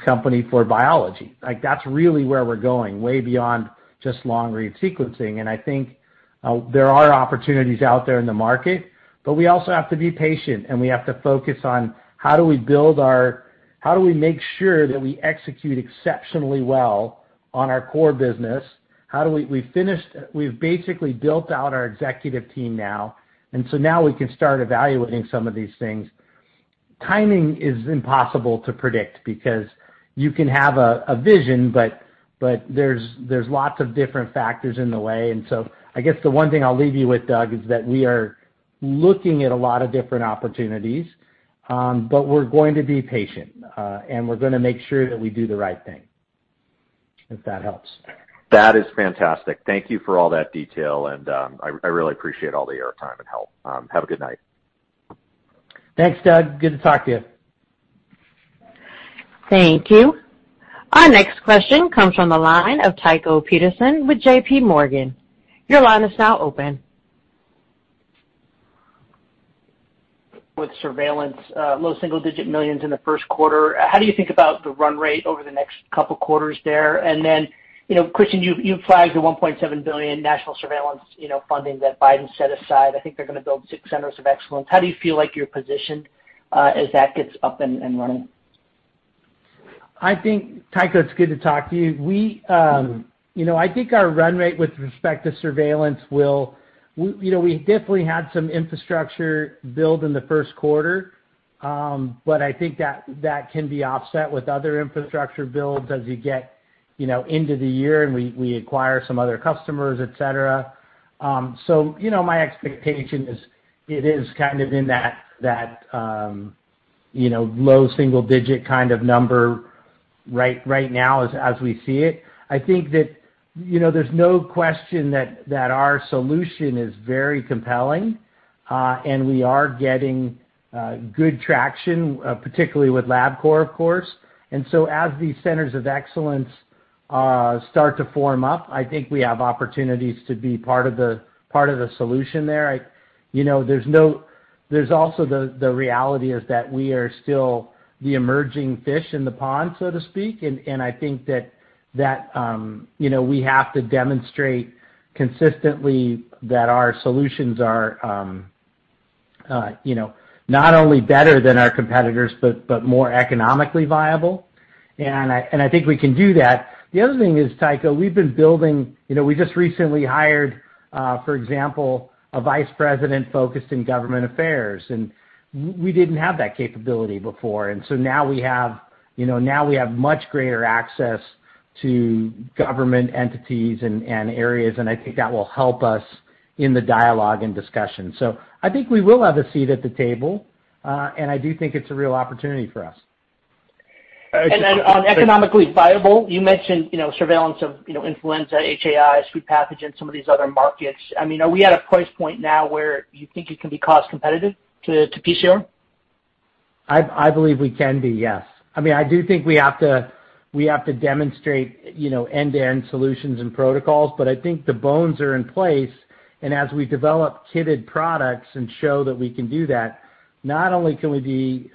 S3: company for biology. That's really where we're going, way beyond just long-read sequencing, and I think there are opportunities out there in the market, but we also have to be patient, and we have to focus on how do we make sure that we execute exceptionally well on our core business? We've basically built out our executive team now, and so now we can start evaluating some of these things. Timing is impossible to predict because you can have a vision, but there's lots of different factors in the way. I guess the one thing I'll leave you with, Doug, is that we are looking at a lot of different opportunities, but we're going to be patient, and we're going to make sure that we do the right thing, if that helps.
S6: That is fantastic. Thank you for all that detail, and I really appreciate all the air time and help. Have a good night.
S3: Thanks, Doug. Good to talk to you.
S1: Thank you. Our next question comes from the line of Tycho Peterson with JPMorgan. Your line is now open.
S7: With surveillance, low single-digit millions in the first quarter. How do you think about the run rate over the next couple quarters there? Then, Christian, you've flagged the $1.7 billion national surveillance funding that Biden set aside. I think they're going to build six centers of excellence. How do you feel like you're positioned as that gets up and running?
S3: Tycho, it's good to talk to you. I think our run rate with respect to surveillance We definitely had some infrastructure build in the first quarter, but I think that can be offset with other infrastructure builds as you get into the year, and we acquire some other customers, et cetera. My expectation is it is kind of in that low single-digit kind of number right now as we see it. I think that there's no question that our solution is very compelling, and we are getting good traction, particularly with Labcorp, of course. As these centers of excellence start to form up, I think we have opportunities to be part of the solution there. There's also the reality is that we are still the emerging fish in the pond, so to speak, and I think that we have to demonstrate consistently that our solutions are not only better than our competitors but more economically viable, and I think we can do that. The other thing is, Tycho, we've been building, we just recently hired, for example, a vice president focused in government affairs, and we didn't have that capability before. Now we have much greater access to government entities and areas, and I think that will help us in the dialogue and discussion. I think we will have a seat at the table, and I do think it's a real opportunity for us.
S7: Then on economically viable, you mentioned surveillance of influenza, HAI, foodborne pathogens, some of these other markets. Are we at a price point now where you think it can be cost competitive to PCR?
S3: I believe we can be, yes. I do think we have to demonstrate end-to-end solutions and protocols, but I think the bones are in place, and as we develop kitted products and show that we can do that, not only can we be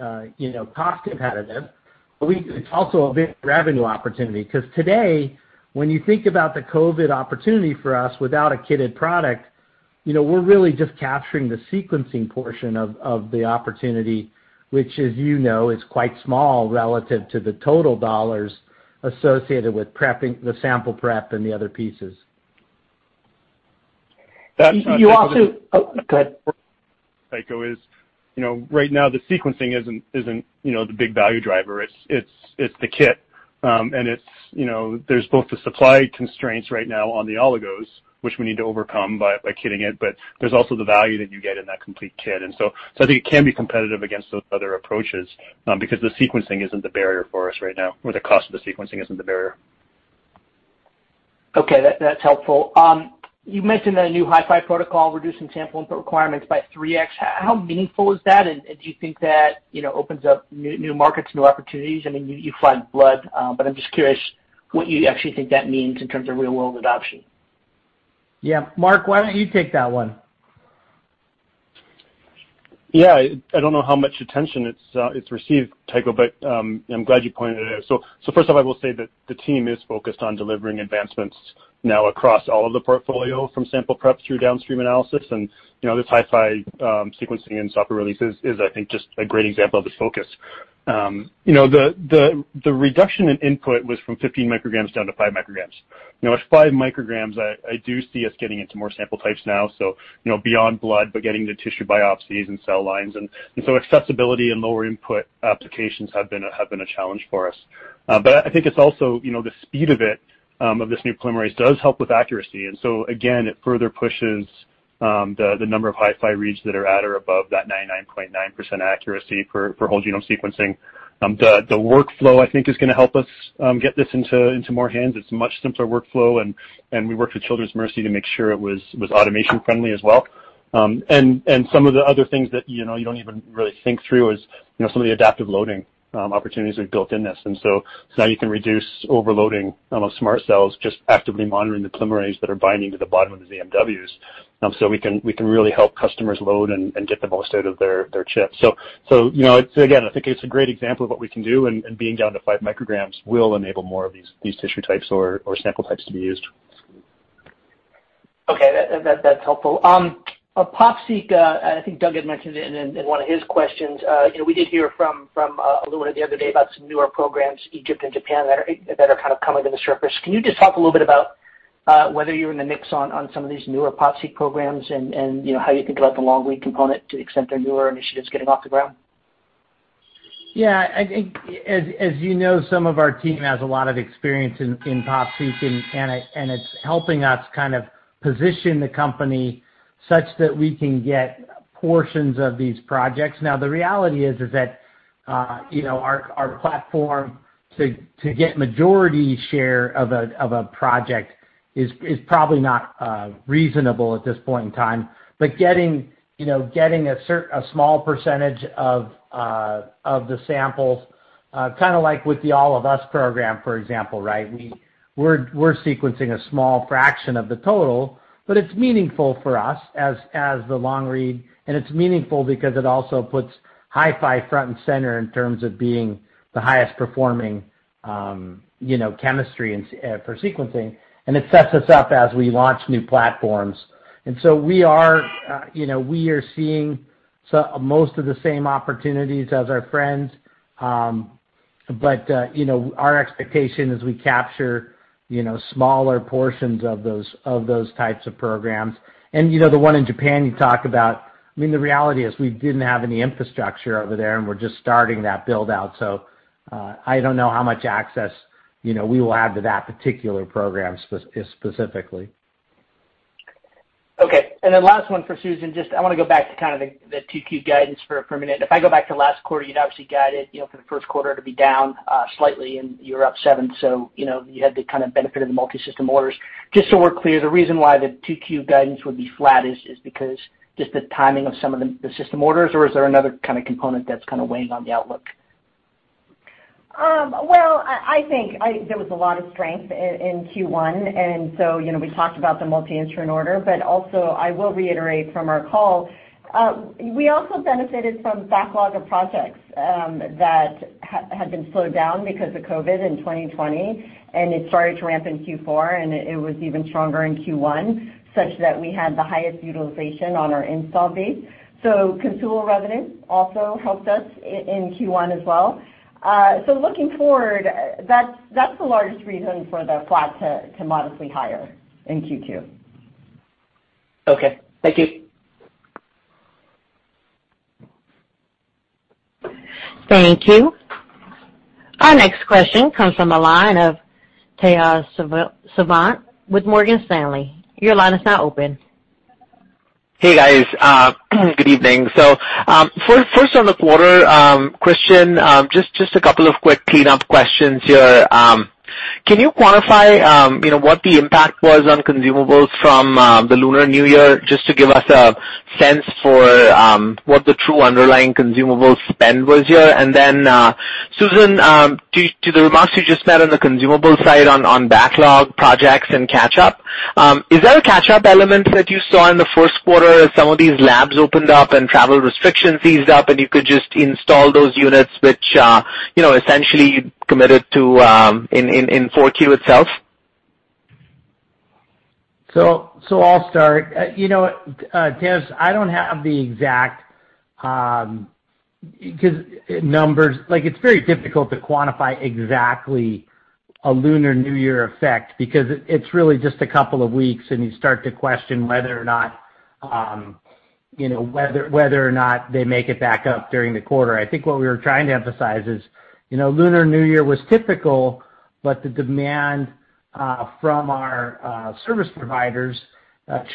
S3: cost competitive, but it's also a big revenue opportunity because today, when you think about the COVID opportunity for us without a kitted product, we're really just capturing the sequencing portion of the opportunity, which as you know, is quite small relative to the total dollars associated with the sample prep and the other pieces.
S7: Oh, go ahead.
S8: Tycho, is right now the sequencing isn't the big value driver. It's the kit. There's both the supply constraints right now on the oligos, which we need to overcome by kitting it, but there's also the value that you get in that complete kit. I think it can be competitive against those other approaches because the sequencing isn't the barrier for us right now, or the cost of the sequencing isn't the barrier.
S7: Okay, that's helpful. You mentioned the new HiFi protocol reducing sample input requirements by 3X. How meaningful is that, do you think that opens up new markets, new opportunities? You flagged blood, I'm just curious what you actually think that means in terms of real-world adoption.
S3: Yeah. Mark, why don't you take that one?
S8: Yeah. I don't know how much attention it's received, Tycho Peterson, but I'm glad you pointed it out. First off, I will say that the team is focused on delivering advancements now across all of the portfolio from sample prep through downstream analysis, and this HiFi sequencing and software release is, I think, just a great example of the focus. The reduction in input was from 15 mcg down to 5 mcg. At 5 mcg, I do see us getting into more sample types now, so beyond blood, but getting to tissue biopsies and cell lines. Accessibility and lower input applications have been a challenge for us. I think it's also the speed of it, of this new polymerase does help with accuracy, and so again, it further pushes the number of HiFi reads that are at or above that 99.9% accuracy for whole genome sequencing. The workflow, I think, is going to help us get this into more hands. It's a much simpler workflow, and we worked with Children's Mercy to make sure it was automation friendly as well. Now you can reduce overloading of SMRT Cells, just actively monitoring the polymerase that are binding to the bottom of the ZMWs. We can really help customers load and get the most out of their chips. Again, I think it's a great example of what we can do, and being down to 5 mcg will enable more of these tissue types or sample types to be used.
S7: Okay, that's helpful. PopSeq, I think Doug had mentioned it in one of his questions. We did hear from Illumina the other day about some newer programs, Egypt and Japan, that are kind of coming to the surface. Can you just talk a little bit about whether you're in the mix on some of these newer PopSeq programs and how you think about the long lead component to the extent their newer initiatives getting off the ground?
S3: Yeah. As you know, some of our team has a lot of experience in PopSeq, it's helping us kind of position the company such that we can get portions of these projects. The reality is that our platform to get majority share of a project is probably not reasonable at this point in time. Getting a small percentage of the samples, kind of like with the All of Us program, for example, right? We're sequencing a small fraction of the total, but it's meaningful for us as the long read, and it's meaningful because it also puts HiFi front and center in terms of being the highest performing chemistry for sequencing, and it sets us up as we launch new platforms. We are seeing most of the same opportunities as our friends. Our expectation is we capture smaller portions of those types of programs. The one in Japan you talk about, the reality is we didn't have any infrastructure over there, and we're just starting that build-out. I don't know how much access we will add to that particular program specifically.
S7: Okay. Last one for Susan, just I want to go back to kind of the 2Q guidance for a minute. If I go back to last quarter, you'd obviously guided for the first quarter to be down slightly and you're up seven, so you had the kind of benefit of the multi-system orders. Just so we're clear, the reason why the 2Q guidance would be flat is because just the timing of some of the system orders, or is there another kind of component that's kind of weighing on the outlook?
S4: Well, I think there was a lot of strength in Q1. We talked about the multi-instrument order, but also I will reiterate from our call, we also benefited from backlog of projects that had been slowed down because of COVID in 2020, and it started to ramp in Q4, and it was even stronger in Q1, such that we had the highest utilization on our install base. Consumable revenue also helped us in Q1 as well. Looking forward, that's the largest reason for the flat to modestly higher in Q2.
S7: Okay. Thank you.
S1: Thank you. Our next question comes from the line of Tejas Savant with Morgan Stanley. Your line is now open.
S9: Hey, guys. Good evening. First on the quarter, Christian, just a couple of quick cleanup questions here. Can you quantify what the impact was on consumables from the Lunar New Year, just to give us a sense for what the true underlying consumable spend was here? Susan, to the remarks you just made on the consumable side on backlog projects and catch-up, is there a catch-up element that you saw in the first quarter as some of these labs opened up and travel restrictions eased up and you could just install those units, which essentially you'd committed to in 4Q itself?
S3: I'll start. Tejas, I don't have the exact numbers. It's very difficult to quantify exactly a Lunar New Year effect because it's really just a couple of weeks, and you start to question whether or not they make it back up during the quarter. I think what we were trying to emphasize is Lunar New Year was typical, but the demand from our service providers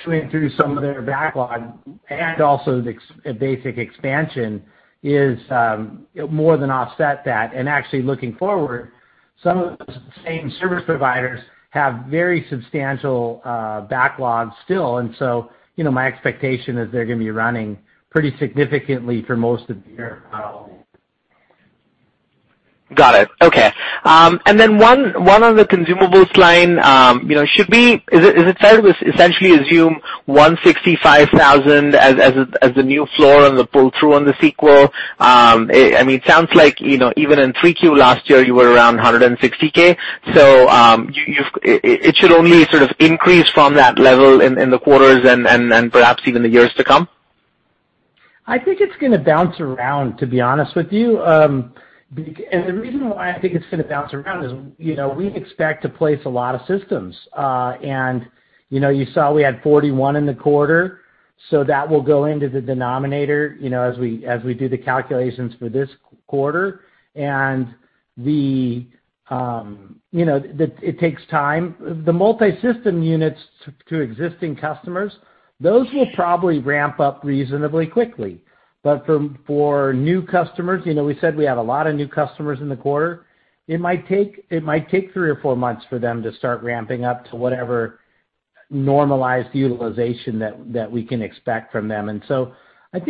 S3: chewing through some of their backlog and also the basic expansion has more than offset that. Actually, looking forward, some of those same service providers have very substantial backlogs still. My expectation is they're going to be running pretty significantly for most of the year, not only.
S9: Got it. Okay. One on the consumables line, is it fair to essentially assume 165,000 as the new floor on the pull-through on the Sequel? It sounds like even in 3Q last year, you were around 160,000. It should only sort of increase from that level in the quarters and perhaps even the years to come?
S3: I think it's going to bounce around, to be honest with you. The reason why I think it's going to bounce around is we expect to place a lot of systems. You saw we had 41 in the quarter, so that will go into the denominator as we do the calculations for this quarter, and it takes time. The multi-system units to existing customers, those will probably ramp up reasonably quickly. For new customers, we said we have a lot of new customers in the quarter, it might take three or four months for them to start ramping up to whatever normalized utilization that we can expect from them. At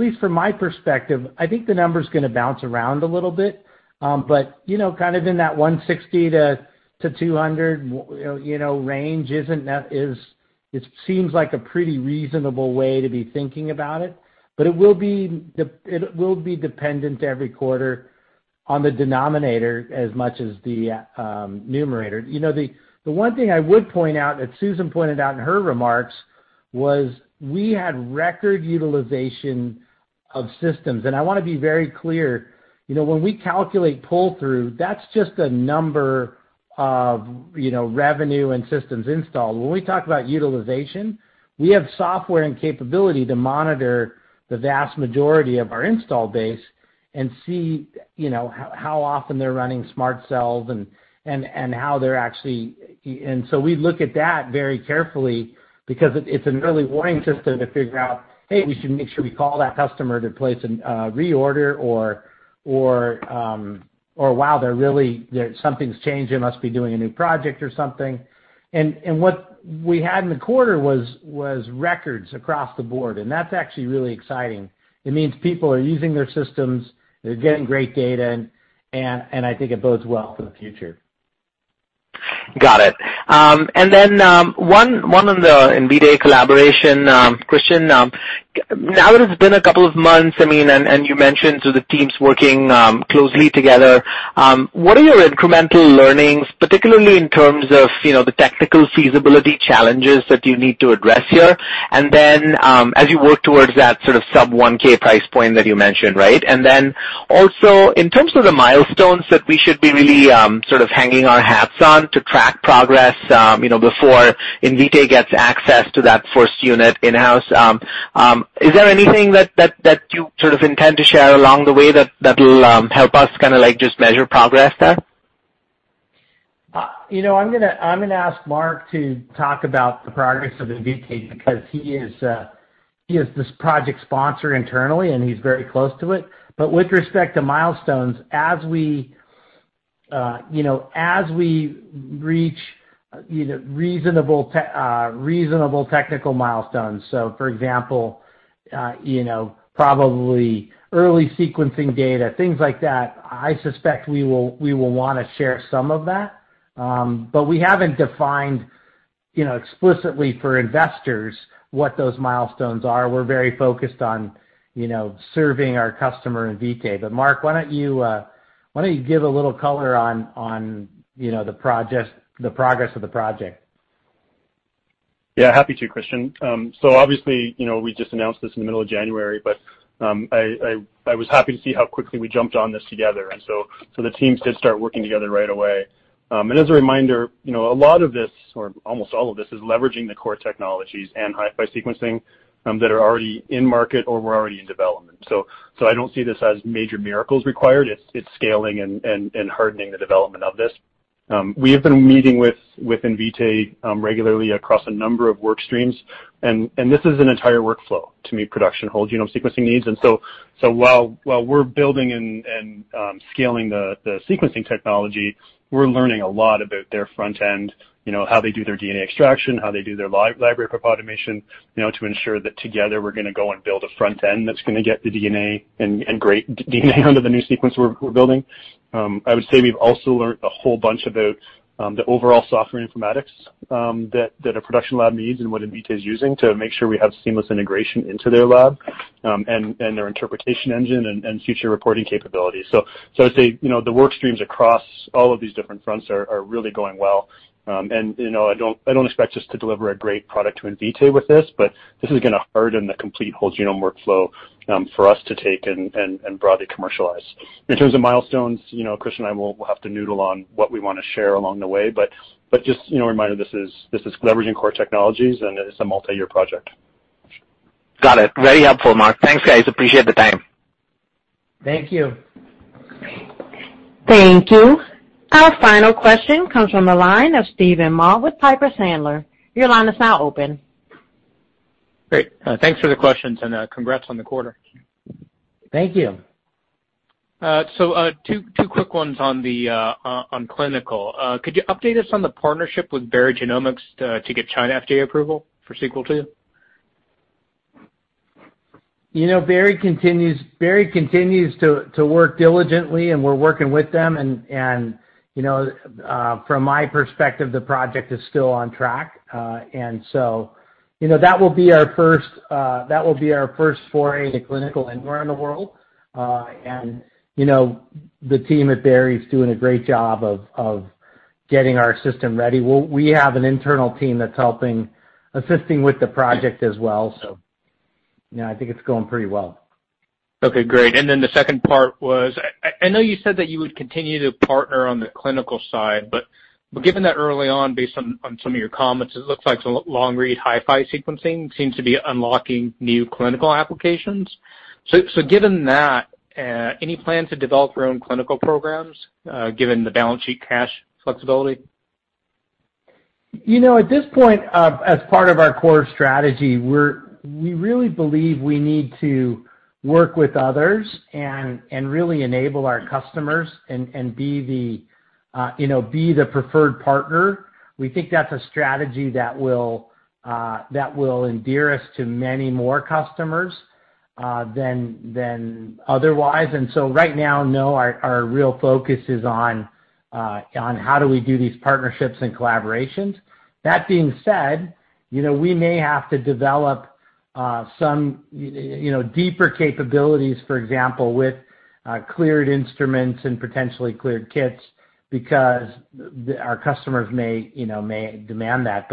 S3: least from my perspective, I think the number's going to bounce around a little bit, but kind of in that $160-$200 range, it seems like a pretty reasonable way to be thinking about it. It will be dependent every quarter on the denominator as much as the numerator. The one thing I would point out that Susan pointed out in her remarks was we had record utilization of systems. I want to be very clear, when we calculate pull-through, that's just a number of revenue and systems installed. When we talk about utilization, we have software and capability to monitor the vast majority of our install base and see how often they're running SMRT Cells and how they're actually. We look at that very carefully because it's an early warning system to figure out, hey, we should make sure we call that customer to place a reorder or wow, something's changed, they must be doing a new project or something. What we had in the quarter was records across the board, and that's actually really exciting. It means people are using their systems, they're getting great data, and I think it bodes well for the future.
S9: Got it. Then one on the Invitae collaboration, Christian. Now that it's been a couple of months, and you mentioned the teams working closely together, what are your incremental learnings, particularly in terms of the technical feasibility challenges that you need to address here? Then, as you work towards that sort of sub $1,000 price point that you mentioned, right? Then also in terms of the milestones that we should be really sort of hanging our hats on to track progress before Invitae gets access to that first unit in-house, is there anything that you sort of intend to share along the way that will help us kind of just measure progress there?
S3: I'm going to ask Mark to talk about the progress of Invitae because he is this project's sponsor internally, and he's very close to it. With respect to milestones, as we reach reasonable technical milestones, so for example, probably early sequencing data, things like that, I suspect we will want to share some of that. We haven't defined explicitly for investors what those milestones are. We're very focused on serving our customer, Invitae. Mark, why don't you give a little color on the progress of the project?
S8: Yeah, happy to, Christian. Obviously, we just announced this in the middle of January, but I was happy to see how quickly we jumped on this together. The teams did start working together right away. As a reminder, a lot of this, or almost all of this, is leveraging the core technologies and HiFi sequencing that are already in market or were already in development. I don't see this as major miracles required. It's scaling and hardening the development of this. We have been meeting with Invitae regularly across a number of work streams, and this is an entire workflow to meet production whole genome sequencing needs. While we're building and scaling the sequencing technology, we're learning a lot about their front end, how they do their DNA extraction, how they do their library prep automation, to ensure that together we're going to go and build a front end that's going to get the DNA and great DNA under the new sequence we're building. We've also learned a whole bunch about the overall software informatics that a production lab needs and what Invitae's using to make sure we have seamless integration into their lab, and their interpretation engine and future reporting capabilities. I would say, the work streams across all of these different fronts are really going well. I don't expect us to deliver a great product to Invitae with this, but this is going to harden the complete whole genome workflow for us to take and broadly commercialize. In terms of milestones, Christian and I will have to noodle on what we want to share along the way, but just a reminder, this is leveraging core technologies, and it is a multi-year project.
S9: Got it. Very helpful, Mark. Thanks, guys, appreciate the time.
S3: Thank you.
S1: Thank you. Our final question comes from the line of Steven Mah with Piper Sandler. Your line is now open.
S10: Great. Thanks for the questions, and congrats on the quarter.
S3: Thank you.
S10: Two quick ones on clinical. Could you update us on the partnership with Berry Genomics to get China FDA approval for Sequel II?
S3: Berry continues to work diligently, and we're working with them, and from my perspective, the project is still on track. That will be our first foray into clinical anywhere in the world. The team at Berry's doing a great job of getting our system ready. We have an internal team that's assisting with the project as well, so I think it's going pretty well.
S10: Okay, great. The second part was, I know you said that you would continue to partner on the clinical side, but given that early on, based on some of your comments, it looks like some long-read HiFi sequencing seems to be unlocking new clinical applications. Given that, any plan to develop your own clinical programs, given the balance sheet cash flexibility?
S3: At this point, as part of our core strategy, we really believe we need to work with others and really enable our customers and be the preferred partner. We think that's a strategy that will endear us to many more customers than otherwise. Right now, no, our real focus is on how do we do these partnerships and collaborations. That being said, we may have to develop some deeper capabilities, for example, with cleared instruments and potentially cleared kits because our customers may demand that.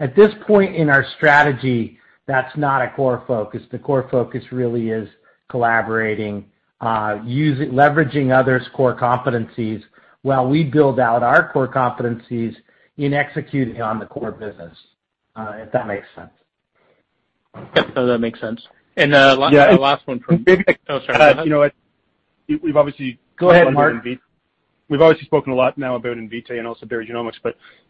S3: At this point in our strategy, that's not a core focus. The core focus really is collaborating, leveraging others' core competencies while we build out our core competencies in executing on the core business. If that makes sense.
S10: Yep, no, that makes sense. Last one oh, sorry. Go ahead. You know what?
S3: Go ahead, Mark
S8: We've obviously spoken a lot now about Invitae and also Berry Genomics.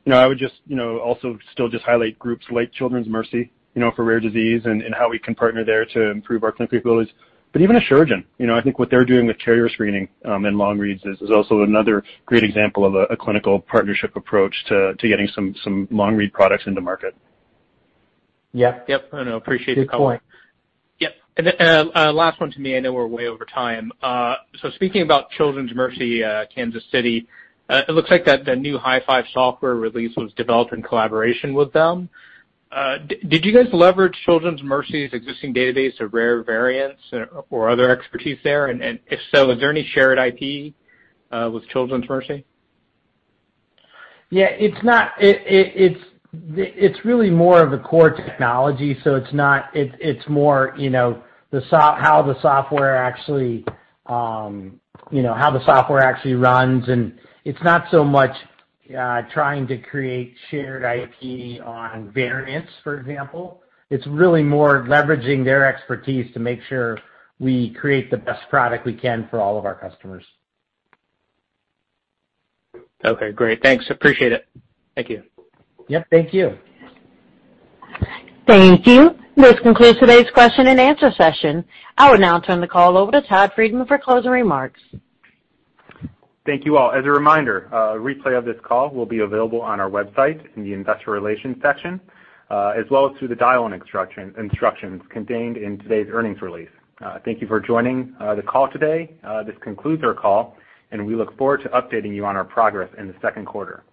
S8: I would just also still just highlight groups like Children's Mercy, for rare disease and how we can partner there to improve our clinical capabilities. Even Asuragen, I think what they're doing with carrier screening, and long reads is also another great example of a clinical partnership approach to getting some long-read products into market.
S3: Yeah.
S10: Yep. No, appreciate the color.
S3: Good point.
S10: Yep. Last one to me. I know we're way over time. Speaking about Children's Mercy Kansas City, it looks like that the new HiFi software release was developed in collaboration with them. Did you guys leverage Children's Mercy's existing database of rare variants or other expertise there? If so, is there any shared IP with Children's Mercy?
S3: Yeah, it's really more of a core technology, so it's more how the software actually runs and it's not so much trying to create shared IP on variants, for example. It's really more leveraging their expertise to make sure we create the best product we can for all of our customers.
S10: Okay, great. Thanks, appreciate it. Thank you.
S3: Yep, thank you.
S1: Thank you. This concludes today's question and answer session. I will now turn the call over to Todd Friedman for closing remarks.
S2: Thank you all. As a reminder, a replay of this call will be available on our website in the investor relations section, as well as through the dial-in instructions contained in today's earnings release. Thank you for joining the call today. This concludes our call, and we look forward to updating you on our progress in the second quarter.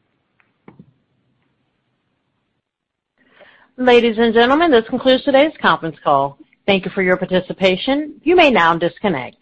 S1: Ladies and gentlemen, this concludes today's conference call. Thank you for your participation. You may now disconnect.